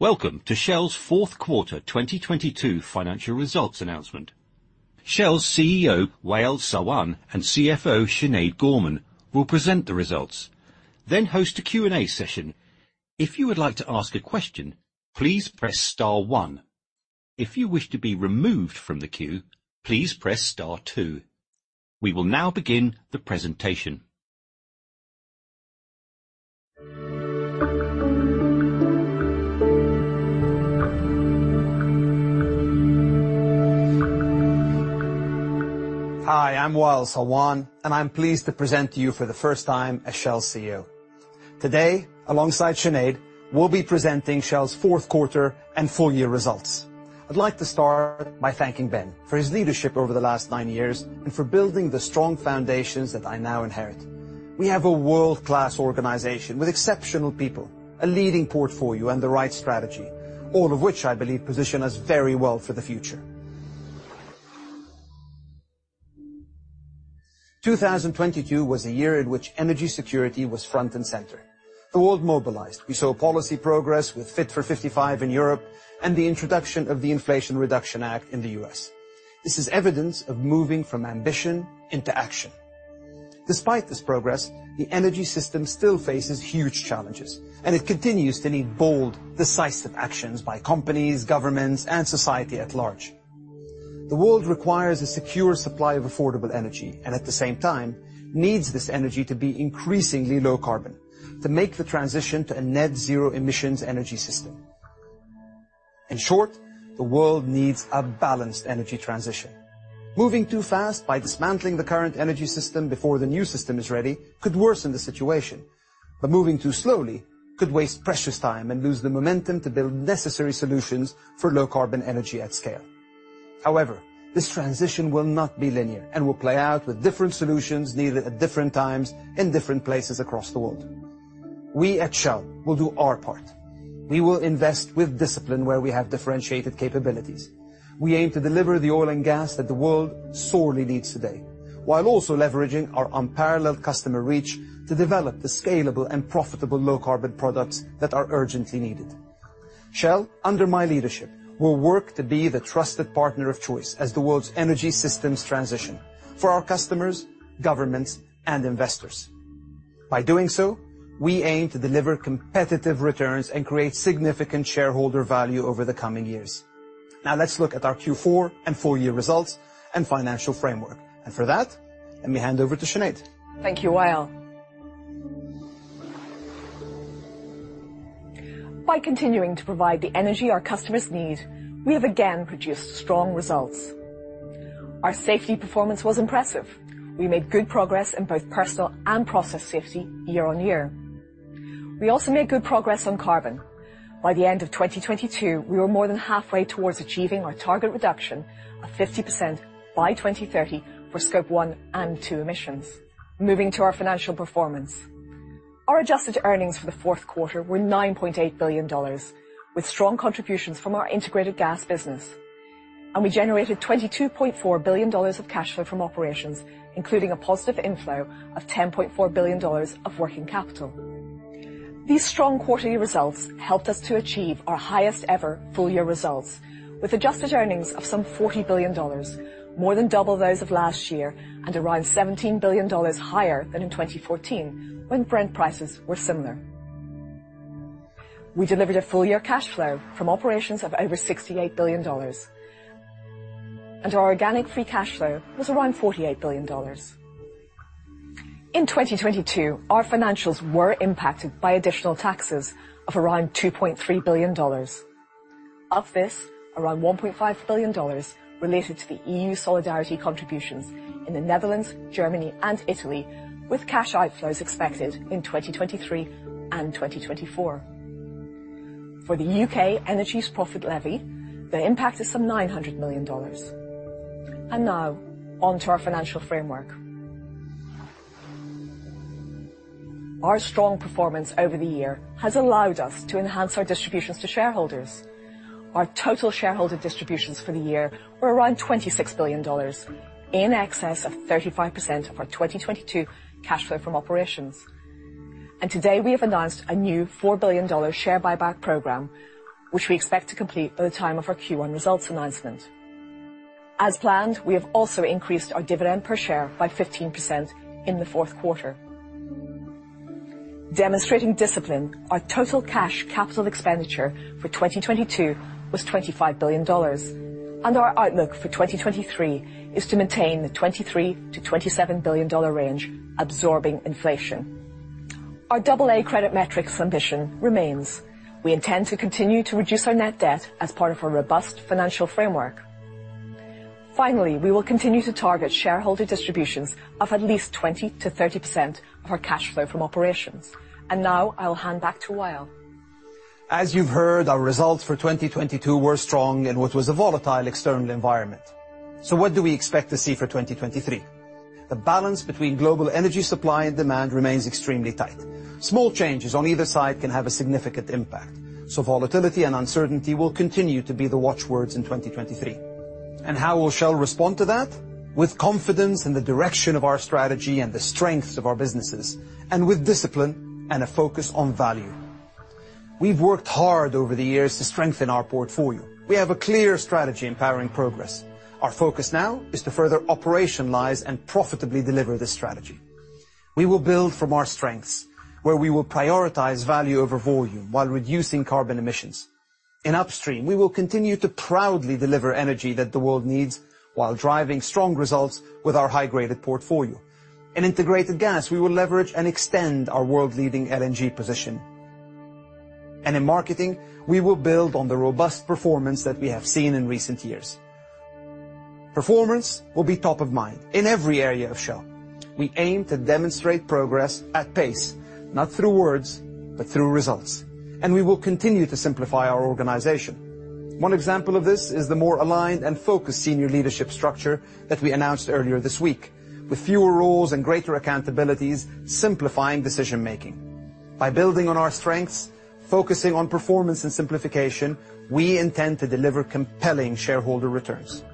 Welcome to Shell's fourth quarter 2022 financial results announcement. Shell's CEO, Wael Sawan, and CFO, Sinead Gorman, will present the results, then host a Q&A session. If you would like to ask a question, please press star one. If you wish to be removed from the queue, please press star two. We will now begin the presentation. Hi, I'm Wael Sawan. I'm pleased to present to you for the first time as Shell's CEO. Today, alongside Sinead, we'll be presenting Shell's fourth quarter and full year results. I'd like to start by thanking Ben for his leadership over the last nine years for building the strong foundations that I now inherit. We have a world-class organization with exceptional people, a leading portfolio and the right strategy, all of which I believe position us very well for the future. 2022 was a year in which energy security was front and center. The world mobilized. We saw policy progress with Fit for 55 in Europe the introduction of the Inflation Reduction Act in the U.S. This is evidence of moving from ambition into action. Despite this progress, the energy system still faces huge challenges, and it continues to need bold, decisive actions by companies, governments, and society at large. The world requires a secure supply of affordable energy, and at the same time needs this energy to be increasingly low carbon to make the transition to a net zero emissions energy system. In short, the world needs a balanced energy transition. Moving too fast by dismantling the current energy system before the new system is ready could worsen the situation. Moving too slowly could waste precious time and lose the momentum to build necessary solutions for low carbon energy at scale. However, this transition will not be linear and will play out with different solutions needed at different times in different places across the world. We at Shell will do our part. We will invest with discipline where we have differentiated capabilities. We aim to deliver the oil and gas that the world sorely needs today, while also leveraging our unparalleled customer reach to develop the scalable and profitable low-carbon products that are urgently needed. Shell, under my leadership, will work to be the trusted partner of choice as the world's energy systems transition for our customers, governments, and investors. By doing so, we aim to deliver competitive returns and create significant shareholder value over the coming years. Let's look at our Q4 and four-year results and financial framework. For that, let me hand over to Sinead. Thank you, Wael. By continuing to provide the energy our customers need, we have again produced strong results. Our safety performance was impressive. We made good progress in both personal and process safety year-on-year. We also made good progress on carbon. By the end of 2022, we were more than halfway towards achieving our target reduction of 50% by 2030 for Scope one and two emissions. Moving to our financial performance. Our Adjusted earnings for the fourth quarter were $9.8 billion, with strong contributions from our Integrated Gas business. We generated $22.4 billion of cash flow from operations, including a positive inflow of $10.4 billion of working capital. These strong quarterly results helped us to achieve our highest ever full year results with adjusted earnings of some $40 billion, more than double those of last year and around $17 billion higher than in 2014 when Brent prices were similar. We delivered a full year cash flow from operations of over $68 billion. Our organic free cash flow was around $48 billion. In 2022, our financials were impacted by additional taxes of around $2.3 billion. Of this, around $1.5 billion related to the EU solidarity contributions in the Netherlands, Germany, and Italy, with cash outflows expected in 2023 and 2024. For the U.K. Energy Profits Levy, the impact is some $900 million. Now onto our financial framework. Our strong performance over the year has allowed us to enhance our distributions to shareholders. Our total shareholder distributions for the year were around $26 billion, in excess of 35% of our 2022 cash flow from operations. Today, we have announced a new $4 billion share buyback program, which we expect to complete by the time of our Q1 results announcement. As planned, we have also increased our dividend per share by 15% in the fourth quarter. Demonstrating discipline, our total cash capital expenditure for 2022 was $25 billion. Our outlook for 2023 is to maintain the $23 billion-$27 billion range, absorbing inflation. Our double A credit metrics ambition remains. We intend to continue to reduce our net debt as part of a robust financial framework. Finally, we will continue to target shareholder distributions of at least 20%-30% of our cash flow from operations. Now I'll hand back to Wael. As you've heard, our results for 2022 were strong in what was a volatile external environment. What do we expect to see for 2023? The balance between global energy supply and demand remains extremely tight. Small changes on either side can have a significant impact, so volatility and uncertainty will continue to be the watch words in 2023. How will Shell respond to that? With confidence in the direction of our strategy and the strengths of our businesses, and with discipline and a focus on value. We've worked hard over the years to strengthen our portfolio. We have a clear strategy in Powering Progress. Our focus now is to further operationalize and profitably deliver this strategy. We will build from our strengths, where we will prioritize value over volume while reducing carbon emissions. In Upstream, we will continue to proudly deliver energy that the world needs while driving strong results with our high-graded portfolio. In Integrated Gas, we will leverage and extend our world-leading LNG position. In Marketing, we will build on the robust performance that we have seen in recent years. Performance will be top of mind in every area of Shell. We aim to demonstrate progress at pace, not through words, but through results, and we will continue to simplify our organization. One example of this is the more aligned and focused senior leadership structure that we announced earlier this week, with fewer roles and greater accountabilities, simplifying decision-making. By building on our strengths, focusing on performance and simplification, we intend to deliver compelling shareholder returns.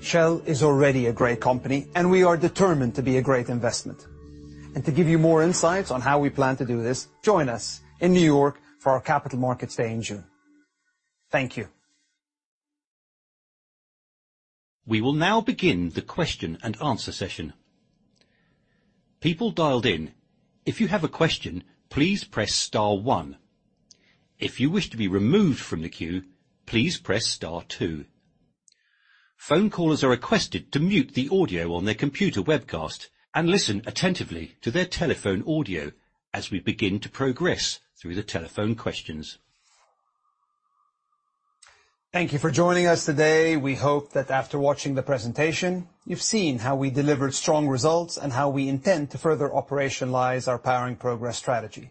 Shell is already a great company, and we are determined to be a great investment. To give you more insights on how we plan to do this, join us in New York for our capital markets day in June. Thank you. We will now begin the question and answer session. People dialed in, if you have a question, please press star one. If you wish to be removed from the queue, please press star two. Phone callers are requested to mute the audio on their computer webcast and listen attentively to their telephone audio as we begin to progress through the telephone questions. Thank you for joining us today. We hope that after watching the presentation, you've seen how we delivered strong results and how we intend to further operationalize our Powering Progress strategy.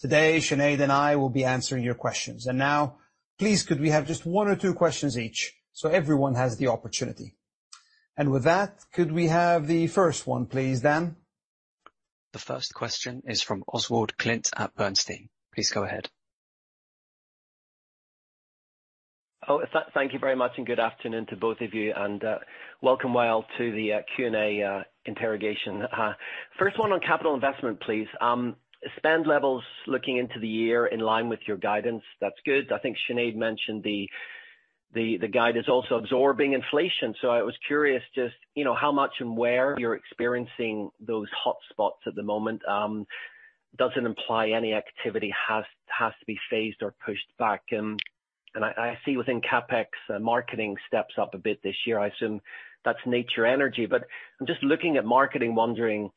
Today, Sinead and I will be answering your questions. Now, please could we have just one or two questions each so everyone has the opportunity. With that, could we have the first one, please, Dan? The first question is from Oswald Clint at Bernstein. Please go ahead. Thank you very much, and good afternoon to both of you, and welcome, Wael, to the Q&A interrogation. First one on capital investment, please. Spend levels looking into the year in line with your guidance, that's good. I think Sinead mentioned the guide is also absorbing inflation, so I was curious just, you know, how much and where you're experiencing those hotspots at the moment. Doesn't imply any activity has to be phased or pushed back. And I see within CapEx that Marketing steps up a bit this year. I assume that's Nature Energy. I'm just looking at Marketing wondering,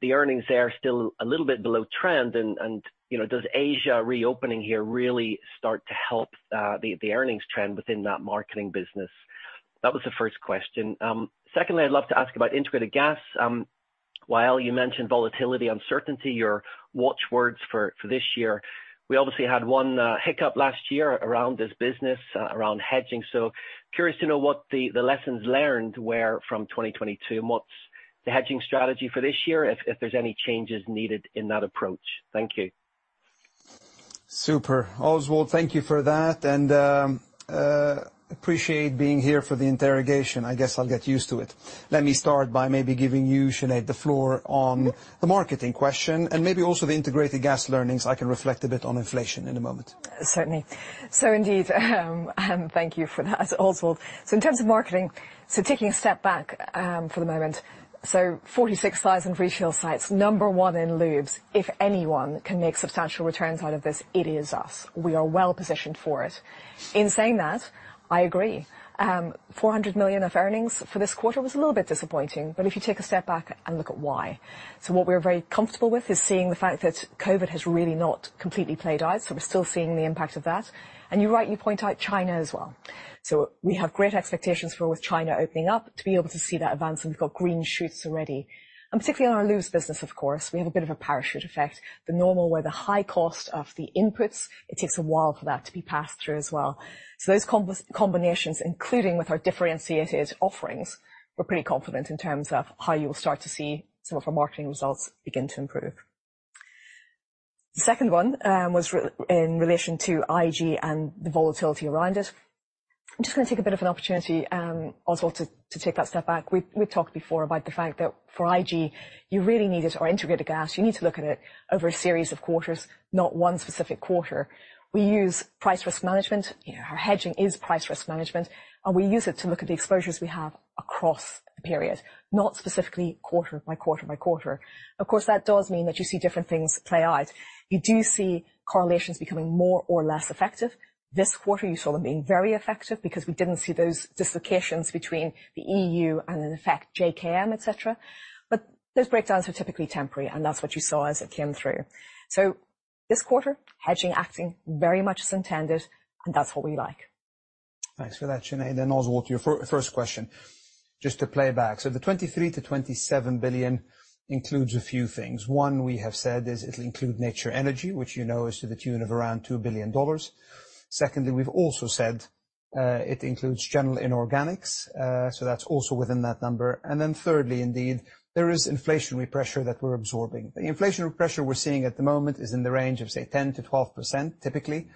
the earnings there are still a little bit below trend and, you know, does Asia reopening here really start to help the earnings trend within that Marketing business? That was the first question. Secondly, I'd love to ask about Integrated Gas. Wael, you mentioned volatility, uncertainty, your watch words for this year. We obviously had one hiccup last year around this business around hedging. Curious to know what the lessons learned were from 2022 and what's the hedging strategy for this year if there's any changes needed in that approach. Thank you. Super. Oswald, thank you for that, appreciate being here for the interrogation. I guess I'll get used to it. Let me start by maybe giving you, Sinead, the floor on the Marketing question and maybe also the Integrated Gas learnings. I can reflect a bit on inflation in a moment. Certainly. Indeed, thank you for that, Oswald. In terms of Marketing, taking a step back, for the moment, 46,000 retail sites, number one in Lubricants. If anyone can make substantial returns out of this, it is us. We are well positioned for it. In saying that, I agree. $400 million of earnings for this quarter was a little bit disappointing, but if you take a step back and look at why. What we're very comfortable with is seeing the fact that COVID has really not completely played out, so we're still seeing the impact of that. You're right, you point out China as well. We have great expectations for with China opening up to be able to see that advance, and we've got green shoots already. Particularly on our Lubricants business, of course, we have a bit of a parachute effect. Where the high cost of the inputs, it takes a while for that to be passed through as well. Those combi-combinations, including with our differentiated offerings, we're pretty confident in terms of how you'll start to see some of our Marketing results begin to improve. The second one was in relation to IG and the volatility around it. I'm just gonna take a bit of an opportunity also to take that step back. We talked before about the fact that for IG, you really need it, or Integrated Gas, you need to look at it over a series of quarters, not one specific quarter. We use price risk management. You know, our hedging is price risk management, and we use it to look at the exposures we have across the period, not specifically quarter by quarter by quarter. Of course, that does mean that you see different things play out. You do see correlations becoming more or less effective. This quarter, you saw them being very effective because we didn't see those dislocations between the EU and then the fact JKM, et cetera. Those breakdowns are typically temporary, and that's what you saw as it came through. This quarter, hedging acting very much as intended, and that's what we like. Thanks for that, Sinead. Oswald, your first question, just to play back. The $23 billion-$27 billion includes a few things. One we have said is it'll include Nature Energy, which you know is to the tune of around $2 billion. Secondly, we've also said, it includes general inorganics, that's also within that number. Thirdly, indeed, there is inflationary pressure that we're absorbing. The inflationary pressure we're seeing at the moment is in the range of, say, 10%-12%, typically.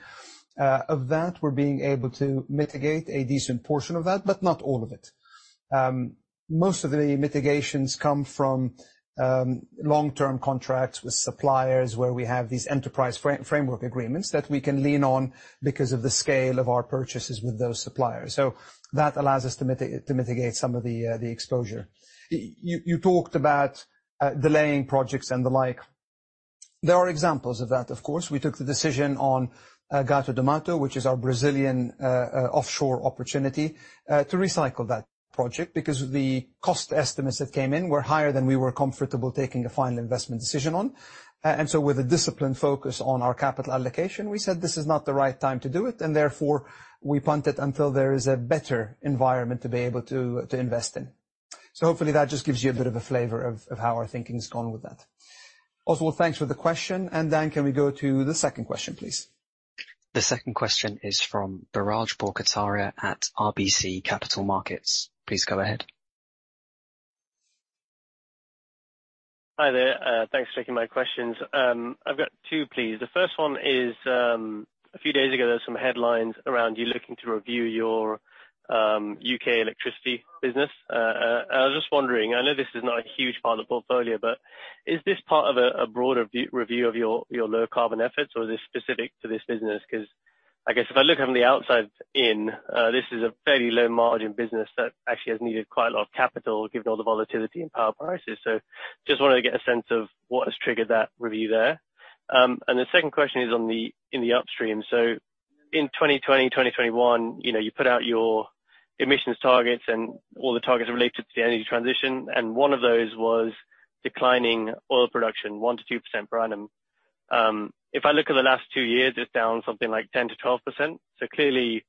Of that, we're being able to mitigate a decent portion of that, not all of it. Most of the mitigations come from long-term contracts with suppliers where we have these enterprise framework agreements that we can lean on because of the scale of our purchases with those suppliers. That allows us to mitigate some of the exposure. You talked about delaying projects and the like. There are examples of that, of course. We took the decision on Gato do Mato, which is our Brazilian deepwater opportunity, to recycle that project because the cost estimates that came in were higher than we were comfortable taking a final investment decision on. And so with a disciplined focus on our capital allocation, we said this is not the right time to do it, and therefore we punt it until there is a better environment to be able to invest in. Hopefully that just gives you a bit of a flavor of how our thinking has gone with that. Oswald, thanks for the question. Dan, can we go to the second question, please? The second question is from Biraj Borkhataria at RBC Capital Markets. Please go ahead. Hi there. Thanks for taking my questions. I've got two, please. The first one is, a few days ago, there was some headlines around you looking to review your U.K. electricity business. I was just wondering, I know this is not a huge part of the portfolio, but is this part of a broader review of your low carbon efforts, or is this specific to this business? 'Cause I guess if I look from the outside in, this is a fairly low margin business that actually has needed quite a lot of capital given all the volatility in power prices. Just wanted to get a sense of what has triggered that review there. The second question is on the, in the upstream. In 2020, 2021, you know, you put out your emissions targets and all the targets related to the energy transition, and one of those was declining oil production, 1%-2% per annum. If I look at the last two years, it's down something like 10%-12%. Clearly,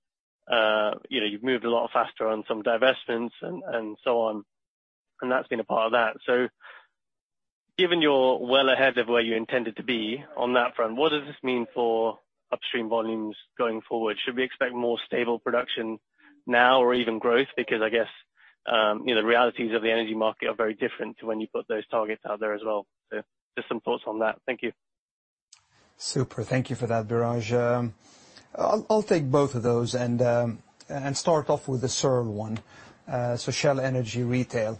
you know, you've moved a lot faster on some divestments and so on, and that's been a part of that. Given you're well ahead of where you intended to be on that front, what does this mean for upstream volumes going forward? Should we expect more stable production now or even growth? Because I guess, you know, realities of the energy market are very different to when you put those targets out there as well. Just some thoughts on that. Thank you. Super. Thank you for that, Biraj. I'll take both of those and start off with the SERL one, so Shell Energy Retail.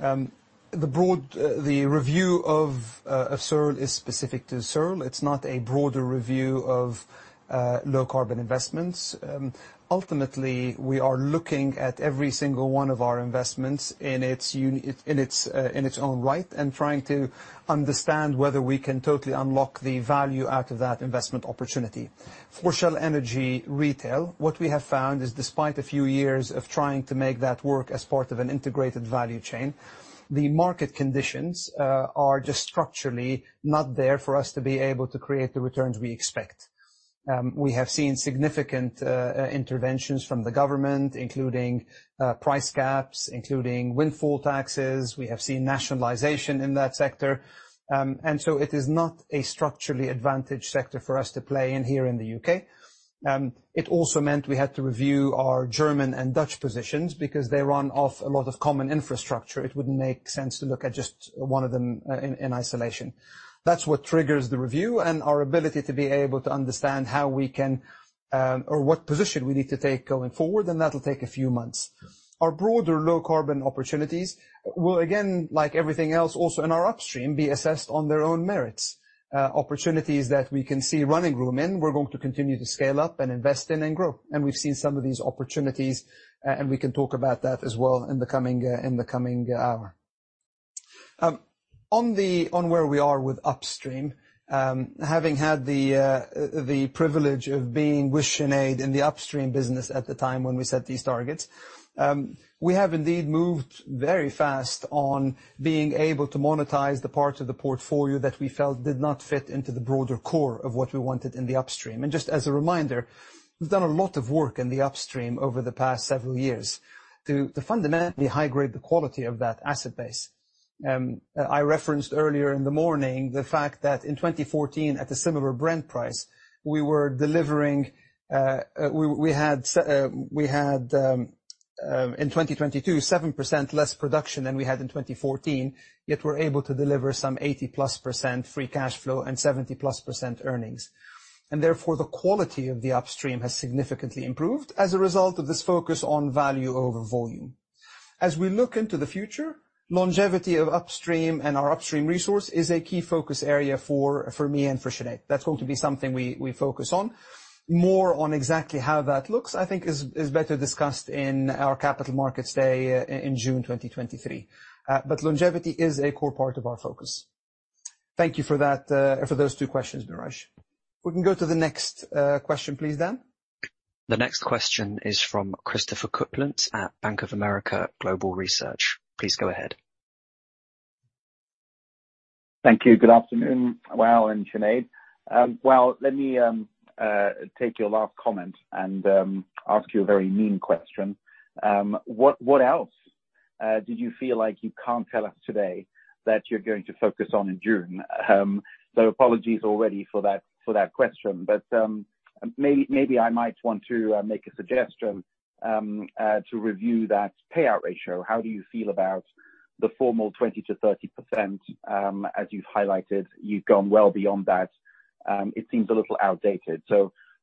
The broad review of SERL is specific to SERL. It's not a broader review of low carbon investments. Ultimately, we are looking at every single one of our investments in its own right and trying to understand whether we can totally unlock the value out of that investment opportunity. For Shell Energy Retail, what we have found is despite a few years of trying to make that work as part of an integrated value chain, the market conditions are just structurally not there for us to be able to create the returns we expect. We have seen significant interventions from the government, including price caps, including windfall taxes. We have seen nationalization in that sector. It is not a structurally advantaged sector for us to play in here in the U.K. It also meant we had to review our German and Dutch positions because they run off a lot of common infrastructure. It wouldn't make sense to look at just one of them in isolation. That's what triggers the review and our ability to be able to understand how we can, or what position we need to take going forward, and that'll take a few months. Our broader low carbon opportunities will again, like everything else also in our upstream, be assessed on their own merits. Opportunities that we can see running room in, we're going to continue to scale up and invest in and grow. We've seen some of these opportunities, and we can talk about that as well in the coming hour. On where we are with upstream, having had the privilege of being with Sinead in the upstream business at the time when we set these targets, we have indeed moved very fast on being able to monetize the parts of the portfolio that we felt did not fit into the broader core of what we wanted in the upstream. Just as a reminder, we've done a lot of work in the upstream over the past several years to fundamentally high grade the quality of that asset base. I referenced earlier in the morning the fact that in 2014 at a similar Brent price, we were delivering, we had in 2022, 7% less production than we had in 2014, yet we're able to deliver some 80%+ free cash flow and 70%+ earnings. Therefore, the quality of the upstream has significantly improved as a result of this focus on value over volume. As we look into the future, longevity of upstream and our upstream resource is a key focus area for me and for Sinead. That's going to be something we focus on. More on exactly how that looks, I think is better discussed in our capital markets day in June 2023. Longevity is a core part of our focus. Thank you for that, for those two questions, Biraj. We can go to the next question, please, Dan. The next question is from Christopher Kuplent at Bank of America Global Research. Please go ahead. Thank you. Good afternoon, Wael and Sinead. Wael, let me take your last comment and ask you a very mean question. What else did you feel like you can't tell us today that you're going to focus on in June? Apologies already for that question. Maybe I might want to make a suggestion to review that payout ratio. How do you feel about the formal 20%-30%, as you've highlighted, you've gone well beyond that. It seems a little outdated.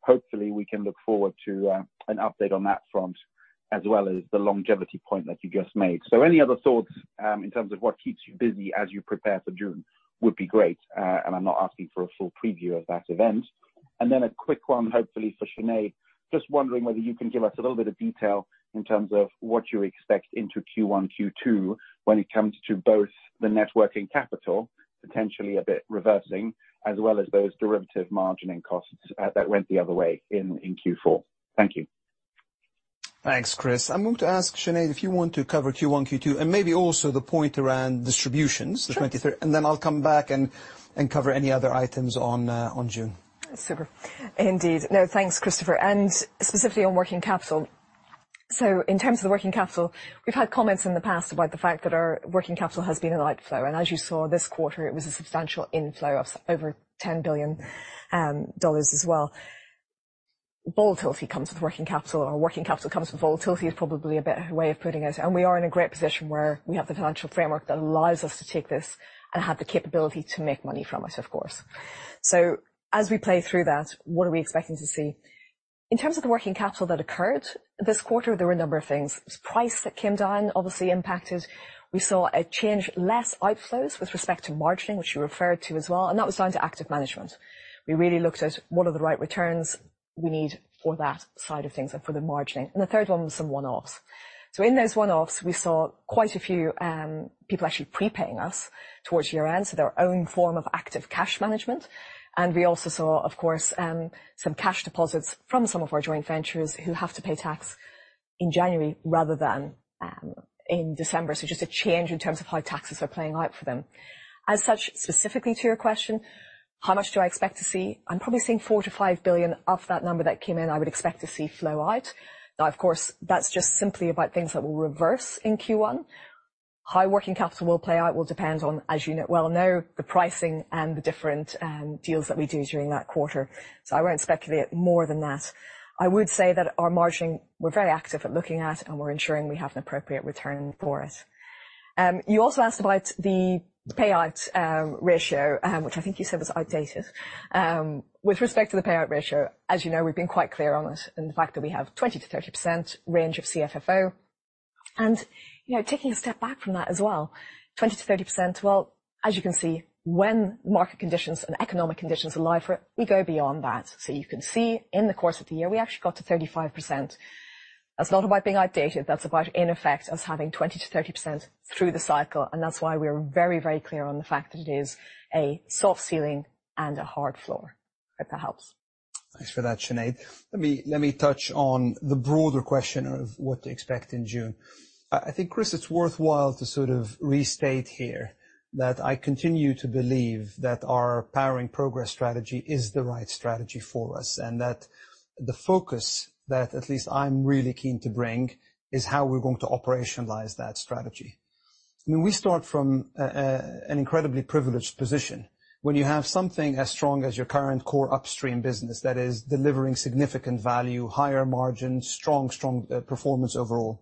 Hopefully we can look forward to an update on that front. As well as the longevity point that you just made. Any other thoughts in terms of what keeps you busy as you prepare for June would be great. I'm not asking for a full preview of that event. Then a quick one hopefully for Sinead. Just wondering whether you can give us a little bit of detail in terms of what you expect into Q1, Q2 when it comes to both the net working capital, potentially a bit reversing, as well as those derivative margining costs that went the other way in Q4. Thank you. Thanks, Chris. I'm going to ask Sinead if you want to cover Q1, Q2, and maybe also the point around distributions. Sure. -the 23rd, and then I'll come back and cover any other items on June. Super. Indeed. Thanks, Christopher. Specifically on working capital. In terms of the working capital, we've had comments in the past about the fact that our working capital has been an outflow. As you saw this quarter, it was a substantial inflow of over $10 billion as well. Volatility comes with working capital or working capital comes with volatility is probably a better way of putting it. We are in a great position where we have the financial framework that allows us to take this and have the capability to make money from it, of course. As we play through that, what are we expecting to see? In terms of the working capital that occurred, this quarter there were a number of things. It was price that came down obviously impacted. We saw a change, less outflows with respect to margining, which you referred to as well, and that was down to active management. We really looked at what are the right returns we need for that side of things and for the margining. The third one was some one-offs. In those one-offs, we saw quite a few people actually prepaying us towards year-end, so their own form of active cash management. We also saw, of course, some cash deposits from some of our joint ventures who have to pay tax in January rather than in December. Just a change in terms of how taxes are playing out for them. As such, specifically to your question, how much do I expect to see? I'm probably seeing $4 billion-$5 billion of that number that came in, I would expect to see flow out. Now, of course, that's just simply about things that will reverse in Q1. How working capital will play out will depend on, as you well know, the pricing and the different deals that we do during that quarter. I won't speculate more than that. I would say that our margining, we're very active at looking at, and we're ensuring we have an appropriate return for it. You also asked about the payout ratio, which I think you said was outdated. With respect to the payout ratio, as you know, we've been quite clear on it and the fact that we have 20%-30% range of CFFO. You know, taking a step back from that as well, 20%- 30%, well, as you can see, when market conditions and economic conditions allow for it, we go beyond that. You can see in the course of the year, we actually got to 35%. That's not about being outdated. That's about in effect us having 20%-30% through the cycle. That's why we're very, very clear on the fact that it is a soft ceiling and a hard floor. Hope that helps. Thanks for that, Sinead. Let me touch on the broader question of what to expect in June. I think, Chris, it's worthwhile to sort of restate here that I continue to believe that our Powering Progress strategy is the right strategy for us, and that the focus that at least I'm really keen to bring is how we're going to operationalize that strategy. I mean, we start from an incredibly privileged position. When you have something as strong as your current core upstream business that is delivering significant value, higher margins, strong performance overall.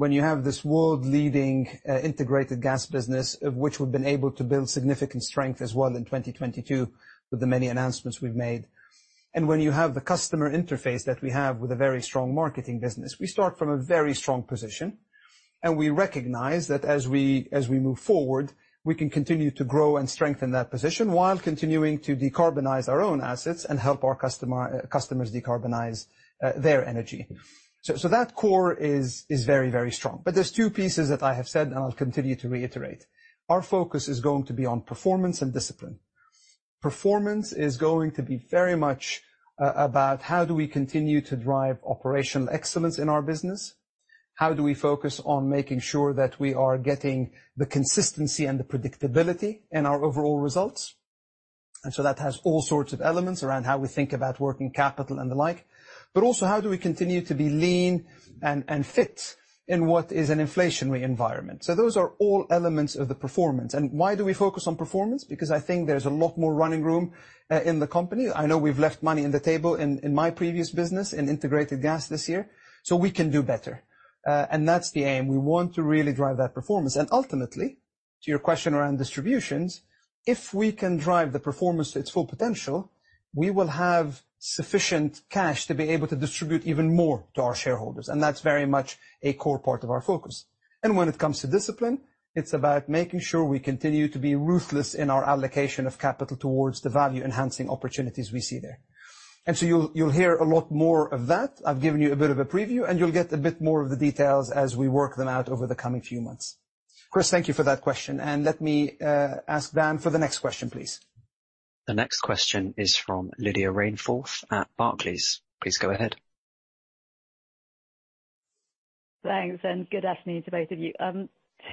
When you have this world-leading Integrated Gas business, of which we've been able to build significant strength as well in 2022 with the many announcements we've made. When you have the customer interface that we have with a very strong marketing business, we start from a very strong position. We recognize that as we move forward, we can continue to grow and strengthen that position while continuing to decarbonize our own assets and help our customers decarbonize their energy. That core is very, very strong. There's two pieces that I have said, and I'll continue to reiterate. Our focus is going to be on performance and discipline. Performance is going to be very much about how do we continue to drive operational excellence in our business? How do we focus on making sure that we are getting the consistency and the predictability in our overall results? That has all sorts of elements around how we think about working capital and the like. Also, how do we continue to be lean and fit in what is an inflationary environment? Those are all elements of the performance. Why do we focus on performance? I think there's a lot more running room in the company. I know we've left money on the table in my previous business in Integrated Gas this year, so we can do better. That's the aim. We want to really drive that performance. Ultimately, to your question around distributions, if we can drive the performance to its full potential, we will have sufficient cash to be able to distribute even more to our shareholders, and that's very much a core part of our focus. When it comes to discipline, it's about making sure we continue to be ruthless in our allocation of capital towards the value-enhancing opportunities we see there. You'll hear a lot more of that. I've given you a bit of a preview, and you'll get a bit more of the details as we work them out over the coming few months. Chris, thank you for that question. Let me ask Dan for the next question, please. The next question is from Lydia Rainforth at Barclays. Please go ahead. Thanks, and good afternoon to both of you.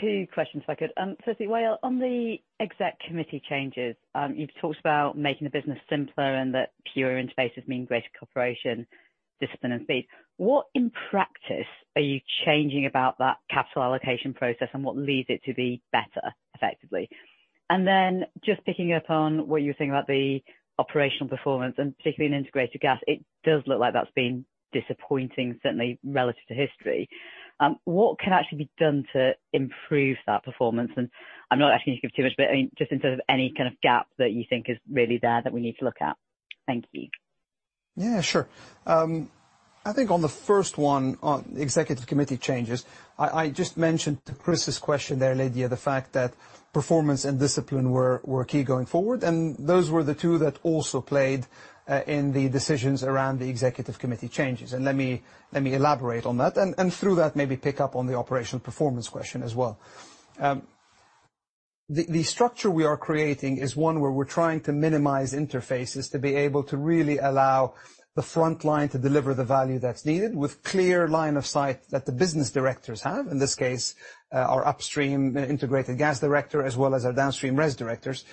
Two questions if I could. Firstly, Wael, on the exec committee changes, you've talked about making the business simpler and that pure interfaces mean greater cooperation, discipline and speed. What, in practice, are you changing about that capital allocation process and what leads it to be better effectively? Just picking up on what you were saying about the operational performance and particularly in Integrated Gas, it does look like that's been disappointing, certainly relative to history. What can actually be done to improve that performance? I'm not asking you to give too much, but, I mean, just in terms of any kind of gap that you think is really there that we need to look at. Thank you. Yeah, sure. I think on the first one, on executive committee changes, I just mentioned to Chris's question there, Lydia, the fact that performance and discipline were key going forward, and those were the two that also played in the decisions around the executive committee changes. Let me elaborate on that. Through that, maybe pick up on the operational performance question as well. The structure we are creating is one where we're trying to minimize interfaces to be able to really allow the front line to deliver the value that's needed with clear line of sight that the business directors have. In this case, our upstream Integrated Gas director, as well as our downstream RES directors,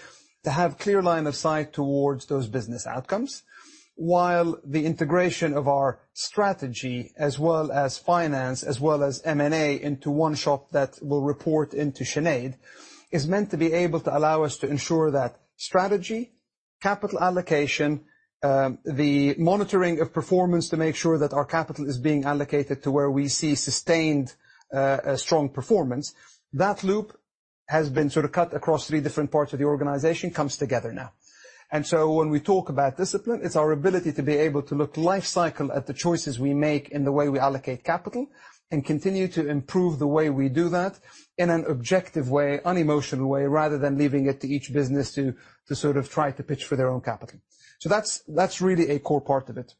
to have clear line of sight towards those business outcomes. The integration of our strategy as well as finance, as well as M&A into one shop that will report into Sinead is meant to be able to allow us to ensure that strategy, capital allocation, the monitoring of performance to make sure that our capital is being allocated to where we see sustained strong performance. That loop has been sort of cut across three different parts of the organization, comes together now. When we talk about discipline, it's our ability to be able to look life cycle at the choices we make and the way we allocate capital and continue to improve the way we do that in an objective way, unemotional way, rather than leaving it to each business to sort of try to pitch for their own capital. That's really a core part of it.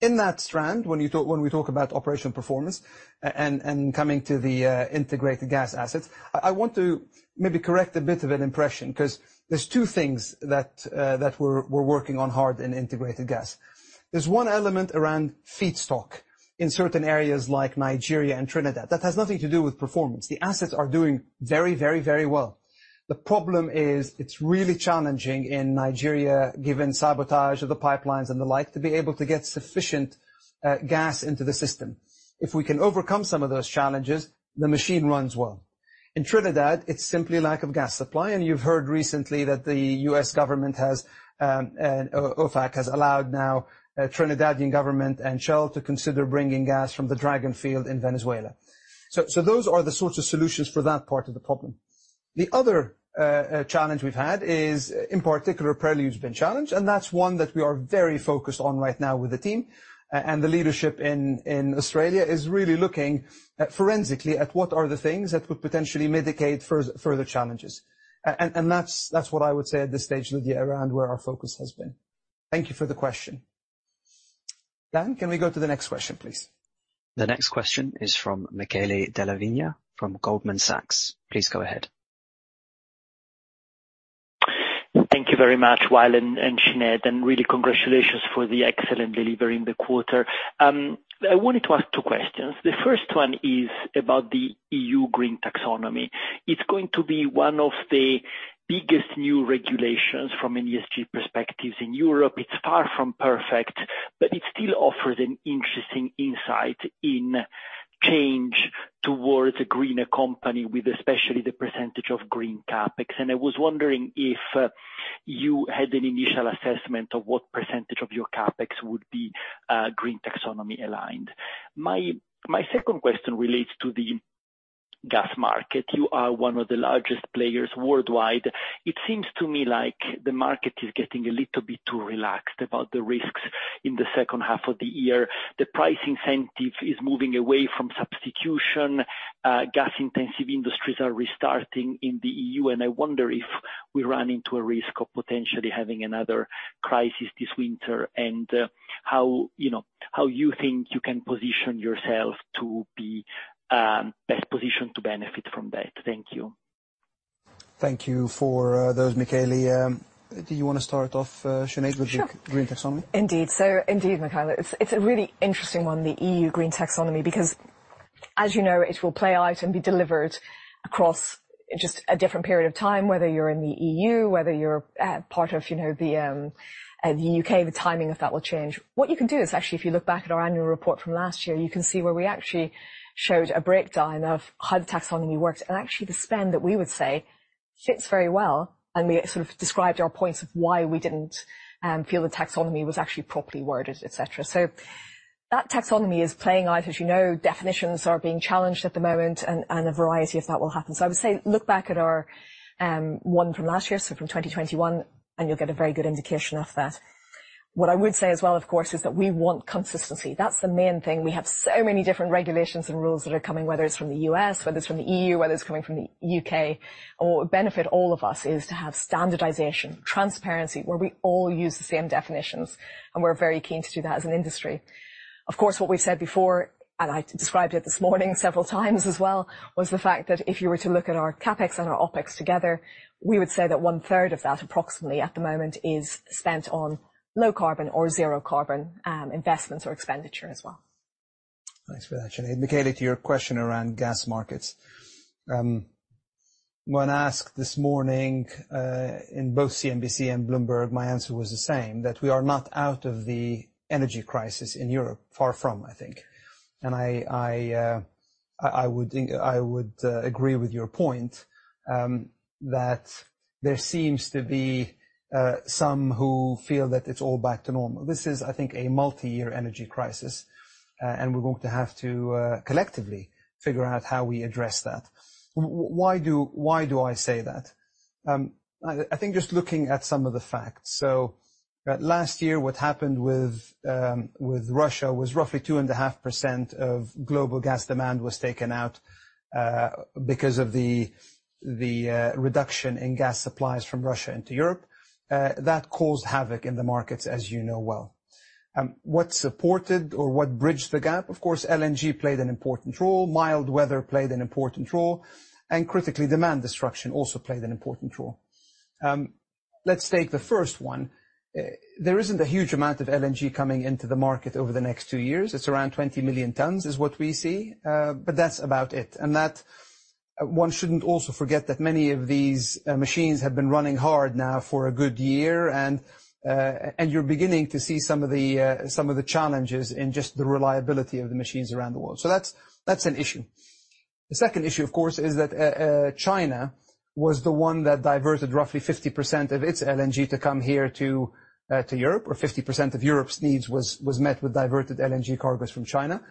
In that strand, when we talk about operational performance and coming to the Integrated Gas assets, I want to maybe correct a bit of an impression, 'cause there's two things that we're working on hard in Integrated Gas. There's one element around feedstock in certain areas like Nigeria and Trinidad. That has nothing to do with performance. The assets are doing very well. The problem is it's really challenging in Nigeria, given sabotage of the pipelines and the like, to be able to get sufficient gas into the system. If we can overcome some of those challenges, the machine runs well. In Trinidad, it's simply lack of gas supply, and you've heard recently that the U.S. government has OFAC has allowed now Trinidadian government and Shell to consider bringing gas from the Dragon field in Venezuela. Those are the sorts of solutions for that part of the problem. The other challenge we've had is, in particular, Prelude's been challenged, and that's one that we are very focused on right now with the team. The leadership in Australia is really looking at forensically at what are the things that would potentially mitigate further challenges. That's what I would say at this stage, Lydia, around where our focus has been. Thank you for the question. Dan, can we go to the next question, please? The next question is from Michele Della Vigna from Goldman Sachs. Please go ahead. Thank you very much, Wael and Sinead, and really congratulations for the excellent delivery in the quarter. I wanted to ask two questions. The first one is about the EU green taxonomy. It's going to be one of the biggest new regulations from an ESG perspective in Europe. It's far from perfect, but it still offers an interesting insight in change towards a greener company with especially the percentage of green CapEx. I was wondering if you had an initial assessment of what percentage of your CapEx would be green taxonomy aligned. My second question relates to the gas market. You are one of the largest players worldwide. It seems to me like the market is getting a little bit too relaxed about the risks in the second half of the year. The price incentive is moving away from substitution. Gas-intensive industries are restarting in the EU, and I wonder if we run into a risk of potentially having another crisis this winter and, how, you know, how you think you can position yourself to be best positioned to benefit from that. Thank you. Thank you for those, Michele. Do you wanna start off, Sinead, with the Green Taxonomy? Sure. Indeed. Indeed, Michele, it's a really interesting one, the EU green taxonomy, because as you know, it will play out and be delivered across just a different period of time, whether you're in the EU, whether you're, part of, you know, the U.K., the timing of that will change. What you can do is, actually, if you look back at our annual report from last year, you can see where we actually showed a breakdown of how the taxonomy works and actually the spend that we would say fits very well, and we sort of described our points of why we didn't feel the taxonomy was actually properly worded, et cetera. That taxonomy is playing out. As you know, definitions are being challenged at the moment and a variety of that will happen. I would say look back at our one from last year, so from 2021, and you'll get a very good indication of that. What I would say as well, of course, is that we want consistency. That's the main thing. We have so many different regulations and rules that are coming, whether it's from the U.S., whether it's from the EU, whether it's coming from the U.K., or benefit all of us is to have standardization, transparency, where we all use the same definitions, and we're very keen to do that as an industry. What we've said before, and I described it this morning several times as well, was the fact that if you were to look at our CapEx and our OpEx together, we would say that one-third of that, approximately, at the moment is spent on low carbon or zero carbon investments or expenditure as well. Thanks for that, Sinead. Michele, to your question around gas markets. When asked this morning, in both CNBC and Bloomberg, my answer was the same, that we are not out of the energy crisis in Europe. Far from, I think. I would agree with your point that there seems to be some who feel that it's all back to normal. This is, I think, a multi-year energy crisis, and we're going to have to collectively figure out how we address that. Why do I say that? I think just looking at some of the facts. Last year, what happened with Russia was roughly 2.5% of global gas demand was taken out because of the reduction in gas supplies from Russia into Europe. That caused havoc in the markets, as you know well. What supported or what bridged the gap, of course, LNG played an important role, mild weather played an important role, and critically, demand destruction also played an important role. Let's take the first one. There isn't a huge amount of LNG coming into the market over the next two years. It's around 20 million tons is what we see, but that's about it. That one shouldn't also forget that many of these machines have been running hard now for a good year, and you're beginning to see some of the challenges in just the reliability of the machines around the world. That's an issue. The second issue, of course, is that China was the one that diverted roughly 50% of its LNG to come here to Europe, or 50% of Europe's needs was met with diverted LNG cargoes from China.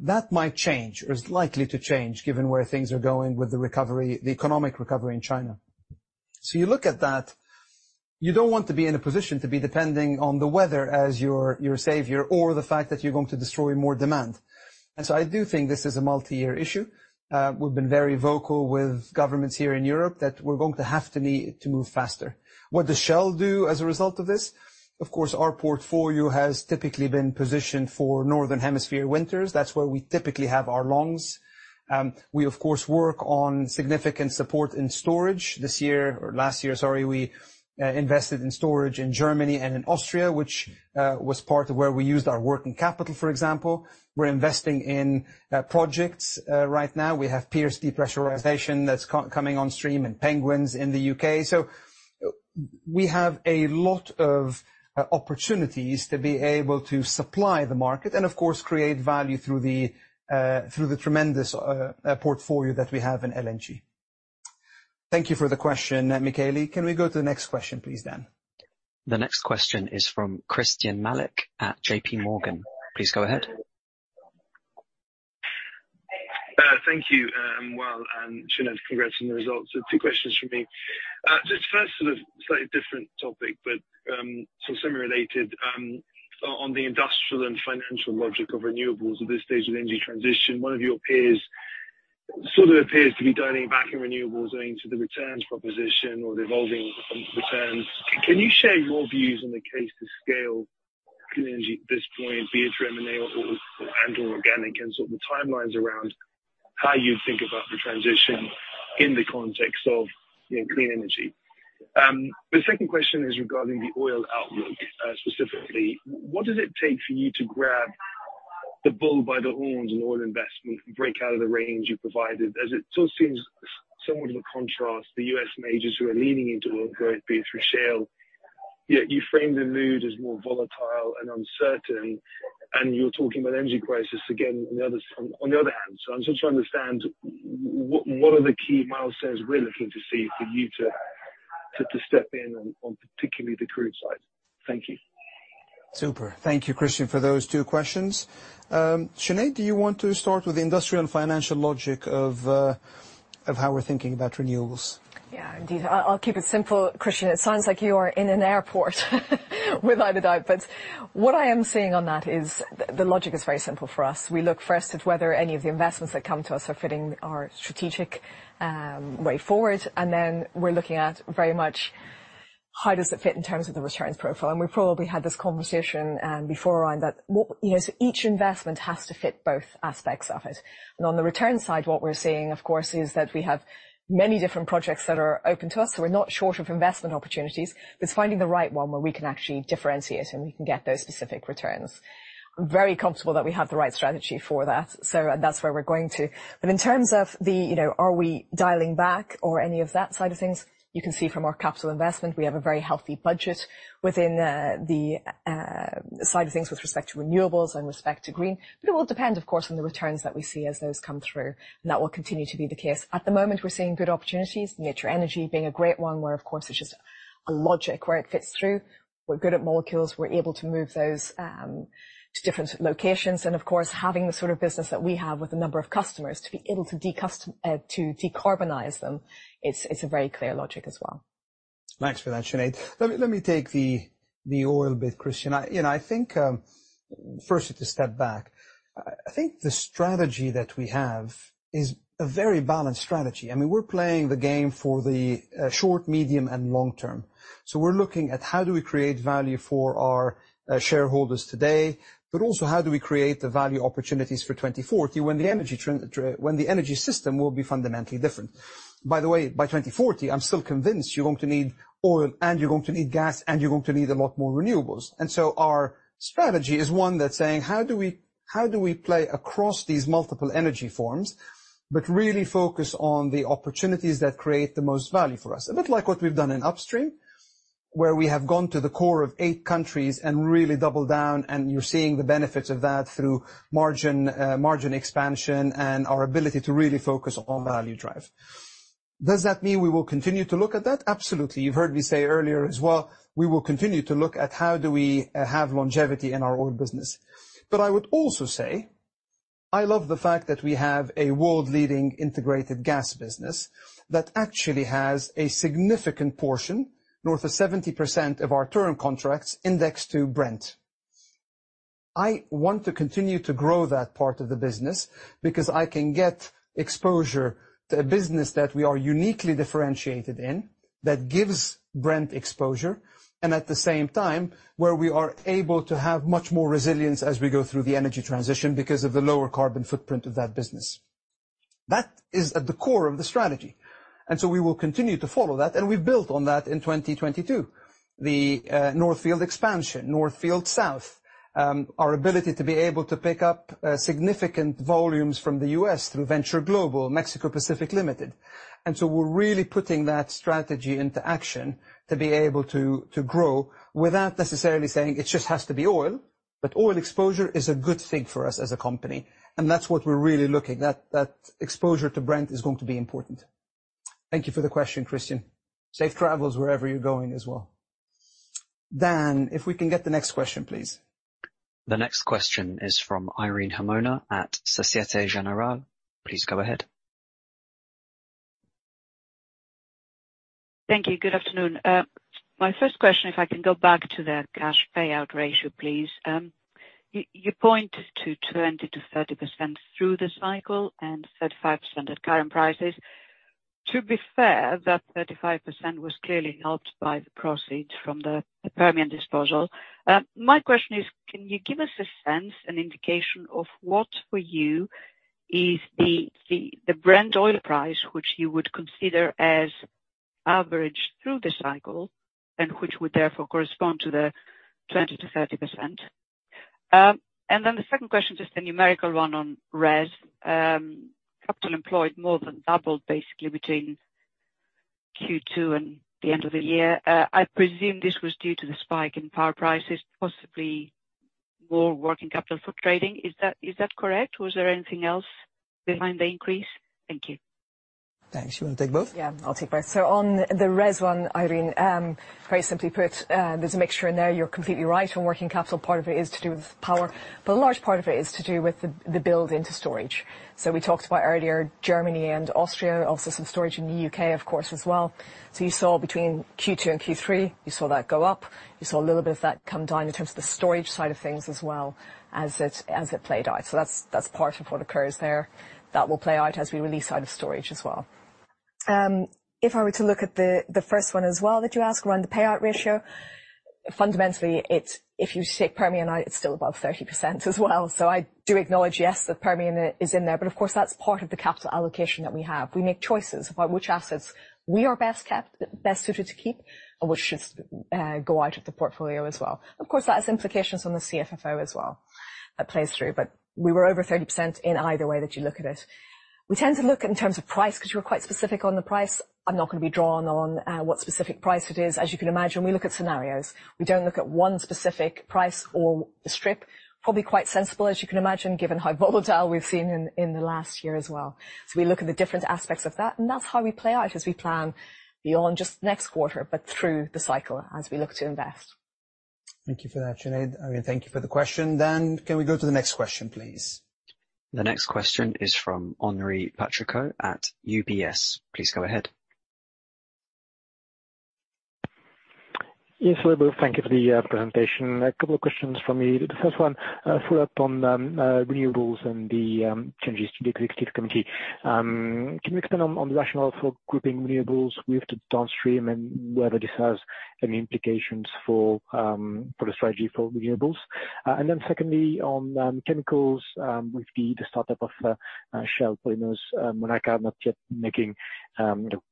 That might change. It's likely to change given where things are going with the recovery, the economic recovery in China. You look at that, you don't want to be in a position to be depending on the weather as your savior or the fact that you're going to destroy more demand. I do think this is a multi-year issue. We've been very vocal with governments here in Europe that we're going to have to need to move faster. What does Shell do as a result of this? Of course, our portfolio has typically been positioned for Northern Hemisphere winters. That's where we typically have our longs. We of course work on significant support in storage. This year, or last year, sorry, we invested in storage in Germany and in Austria, which was part of where we used our working capital, for example. We're investing in projects. Right now, we have Pierce Depressurization that's co-coming on stream and Penguins in the UK. We have a lot of opportunities to be able to supply the market and of course, create value through the tremendous portfolio that we have in LNG. Thank you for the question, Michele. Can we go to the next question, please, Dan? The next question is from Christyan Malek at J.P. Morgan. Please go ahead. Thank you, Wael Sawan and Sinead Gorman. Congrats on the results. Two questions from me. Just first sort of slightly different topic, but similarly related, on the industrial and financial logic of renewables at this stage of energy transition, one of your peers sort of appears to be dialing back in renewables owing to the returns proposition or the evolving returns. Can you share your views on the case to scale clean energy at this point, be it M&A or, and, or organic, and sort of the timelines around how you think about the transition in the context of, you know, clean energy. The second question is regarding the oil outlook. Specifically, what does it take for you to grab the bull by the horns in oil investment and break out of the range you provided as it sort of seems somewhat of a contrast, the U.S. majors who are leaning into oil growth, be it through shale. You frame the mood as more volatile and uncertain, and you're talking about energy prices again on the other side, on the other hand. I'm just trying to understand what are the key milestones we're looking to see for you to step in on particularly the crude side? Thank you. Super. Thank you, Christyan Malek, for those two questions. Sinead Gorman, do you want to start with the industrial and financial logic of how we're thinking about renewables? Yeah, indeed. I'll keep it simple, Christyan. It sounds like you are in an airport without a doubt. What I am seeing on that is the logic is very simple for us. We look first at whether any of the investments that come to us are fitting our strategic way forward, then we're looking at very much how does it fit in terms of the returns profile. We probably had this conversation before around that. You know, each investment has to fit both aspects of it. On the return side, what we're seeing, of course, is that we have many different projects that are open to us. We're not short of investment opportunities. It's finding the right one where we can actually differentiate and we can get those specific returns. I'm very comfortable that we have the right strategy for that. That's where we're going to. In terms of the, you know, are we dialing back or any of that side of things, you can see from our capital investment, we have a very healthy budget within the side of things with respect to renewables and with respect to green. It will depend, of course, on the returns that we see as those come through, and that will continue to be the case. At the moment, we're seeing good opportunities, Nature Energy being a great one where of course it's just a logic where it fits through. We're good at molecules. We're able to move those to different locations, and of course, having the sort of business that we have with a number of customers to be able to decarbonize them, it's a very clear logic as well. Thanks for that, Sinead. Let me take the oil bit, Christyan. You know, I think, firstly to step back, I think the strategy that we have is a very balanced strategy. I mean, we're playing the game for the short, medium, and long term. We're looking at how do we create value for our shareholders today, but also how do we create the value opportunities for 2040 when the energy system will be fundamentally different. By the way, by 2040, I'm still convinced you're going to need oil and you're going to need gas and you're going to need a lot more renewables. Our strategy is one that's saying, how do we play across these multiple energy forms, but really focus on the opportunities that create the most value for us? A bit like what we've done in upstream, where we have gone to the core of eight countries and really doubled down, and you're seeing the benefits of that through margin expansion and our ability to really focus on value drive. Does that mean we will continue to look at that? Absolutely. You've heard me say earlier as well, we will continue to look at how do we have longevity in our oil business. I would also say I love the fact that we have a world-leading Integrated Gas business that actually has a significant portion, north of 70% of our term contracts, indexed to Brent. I want to continue to grow that part of the business because I can get exposure to a business that we are uniquely differentiated in that gives Brent exposure and at the same time where we are able to have much more resilience as we go through the energy transition because of the lower carbon footprint of that business. That is at the core of the strategy, and so we will continue to follow that, and we built on that in 2022. The North Field expansion, North Field South, our ability to be able to pick up significant volumes from the U.S. through Venture Global, Mexico Pacific Limited. We're really putting that strategy into action to be able to grow without necessarily saying it just has to be oil. Oil exposure is a good thing for us as a company, and that's what we're really looking. That exposure to Brent is going to be important. Thank you for the question, Christyan. Safe travels wherever you're going as well. Dan, if we can get the next question, please. The next question is from Irene Himona at Societe Generale. Please go ahead. Thank you. Good afternoon. My first question, if I can go back to the cash payout ratio, please. You point to 20%-30% through the cycle and 35% at current prices. To be fair, that 35% was clearly helped by the proceeds from the Permian disposal. My question is, can you give us a sense, an indication of what for you is the Brent oil price which you would consider as average through the cycle and which would therefore correspond to the 20%-30%? The second question, just a numerical one on RES. Capital employed more than doubled basically between Q2 and the end of the year. I presume this was due to the spike in power prices, possibly more working capital for trading. Is that correct, or is there anything else behind the increase? Thank you. Thanks. You wanna take both? Yeah. I'll take both. On the RES one, Irene, very simply put, there's a mixture in there. You're completely right on working capital. Part of it is to do with power, but a large part of it is to do with the build into storage. We talked about earlier Germany and Austria, also some storage in the U.K. of course, as well. You saw between Q2 and Q3, you saw that go up. You saw a little bit of that come down in terms of the storage side of things as well as it played out. That's part of what occurs there. That will play out as we release out of storage as well. If I were to look at the first one as well that you asked around the payout ratio, fundamentally it's, if you take Permian out, it's still above 30% as well. I do acknowledge, yes, that Permian is in there, but of course that's part of the capital allocation that we have. We make choices about which assets we are best kept, best suited to keep and which should go out of the portfolio as well. Of course, that has implications on the CFFO as well. That plays through. We were over 30% in either way that you look at it. We tend to look in terms of price, 'cause you were quite specific on the price. I'm not gonna be drawn on what specific price it is. As you can imagine, we look at scenarios. We don't look at one specific price or strip. Probably quite sensible, as you can imagine, given how volatile we've seen in the last year as well. We look at the different aspects of that, and that's how we play out as we plan beyond just next quarter but through the cycle as we look to invest. Thank you for that, Sinead. Irene, thank you for the question. Dan, can we go to the next question, please? The next question is from Henri Patricot at UBS. Please go ahead. Yes. Hello. Thank you for the presentation. A couple of questions from me. The first one, follow-up on renewables and the changes to the executive committee. Can you expand on the rationale for grouping renewables with the downstream and whether this has any implications for the strategy for renewables? Secondly, on chemicals, with the startup of Shell Polymers Monaca not yet making, you know,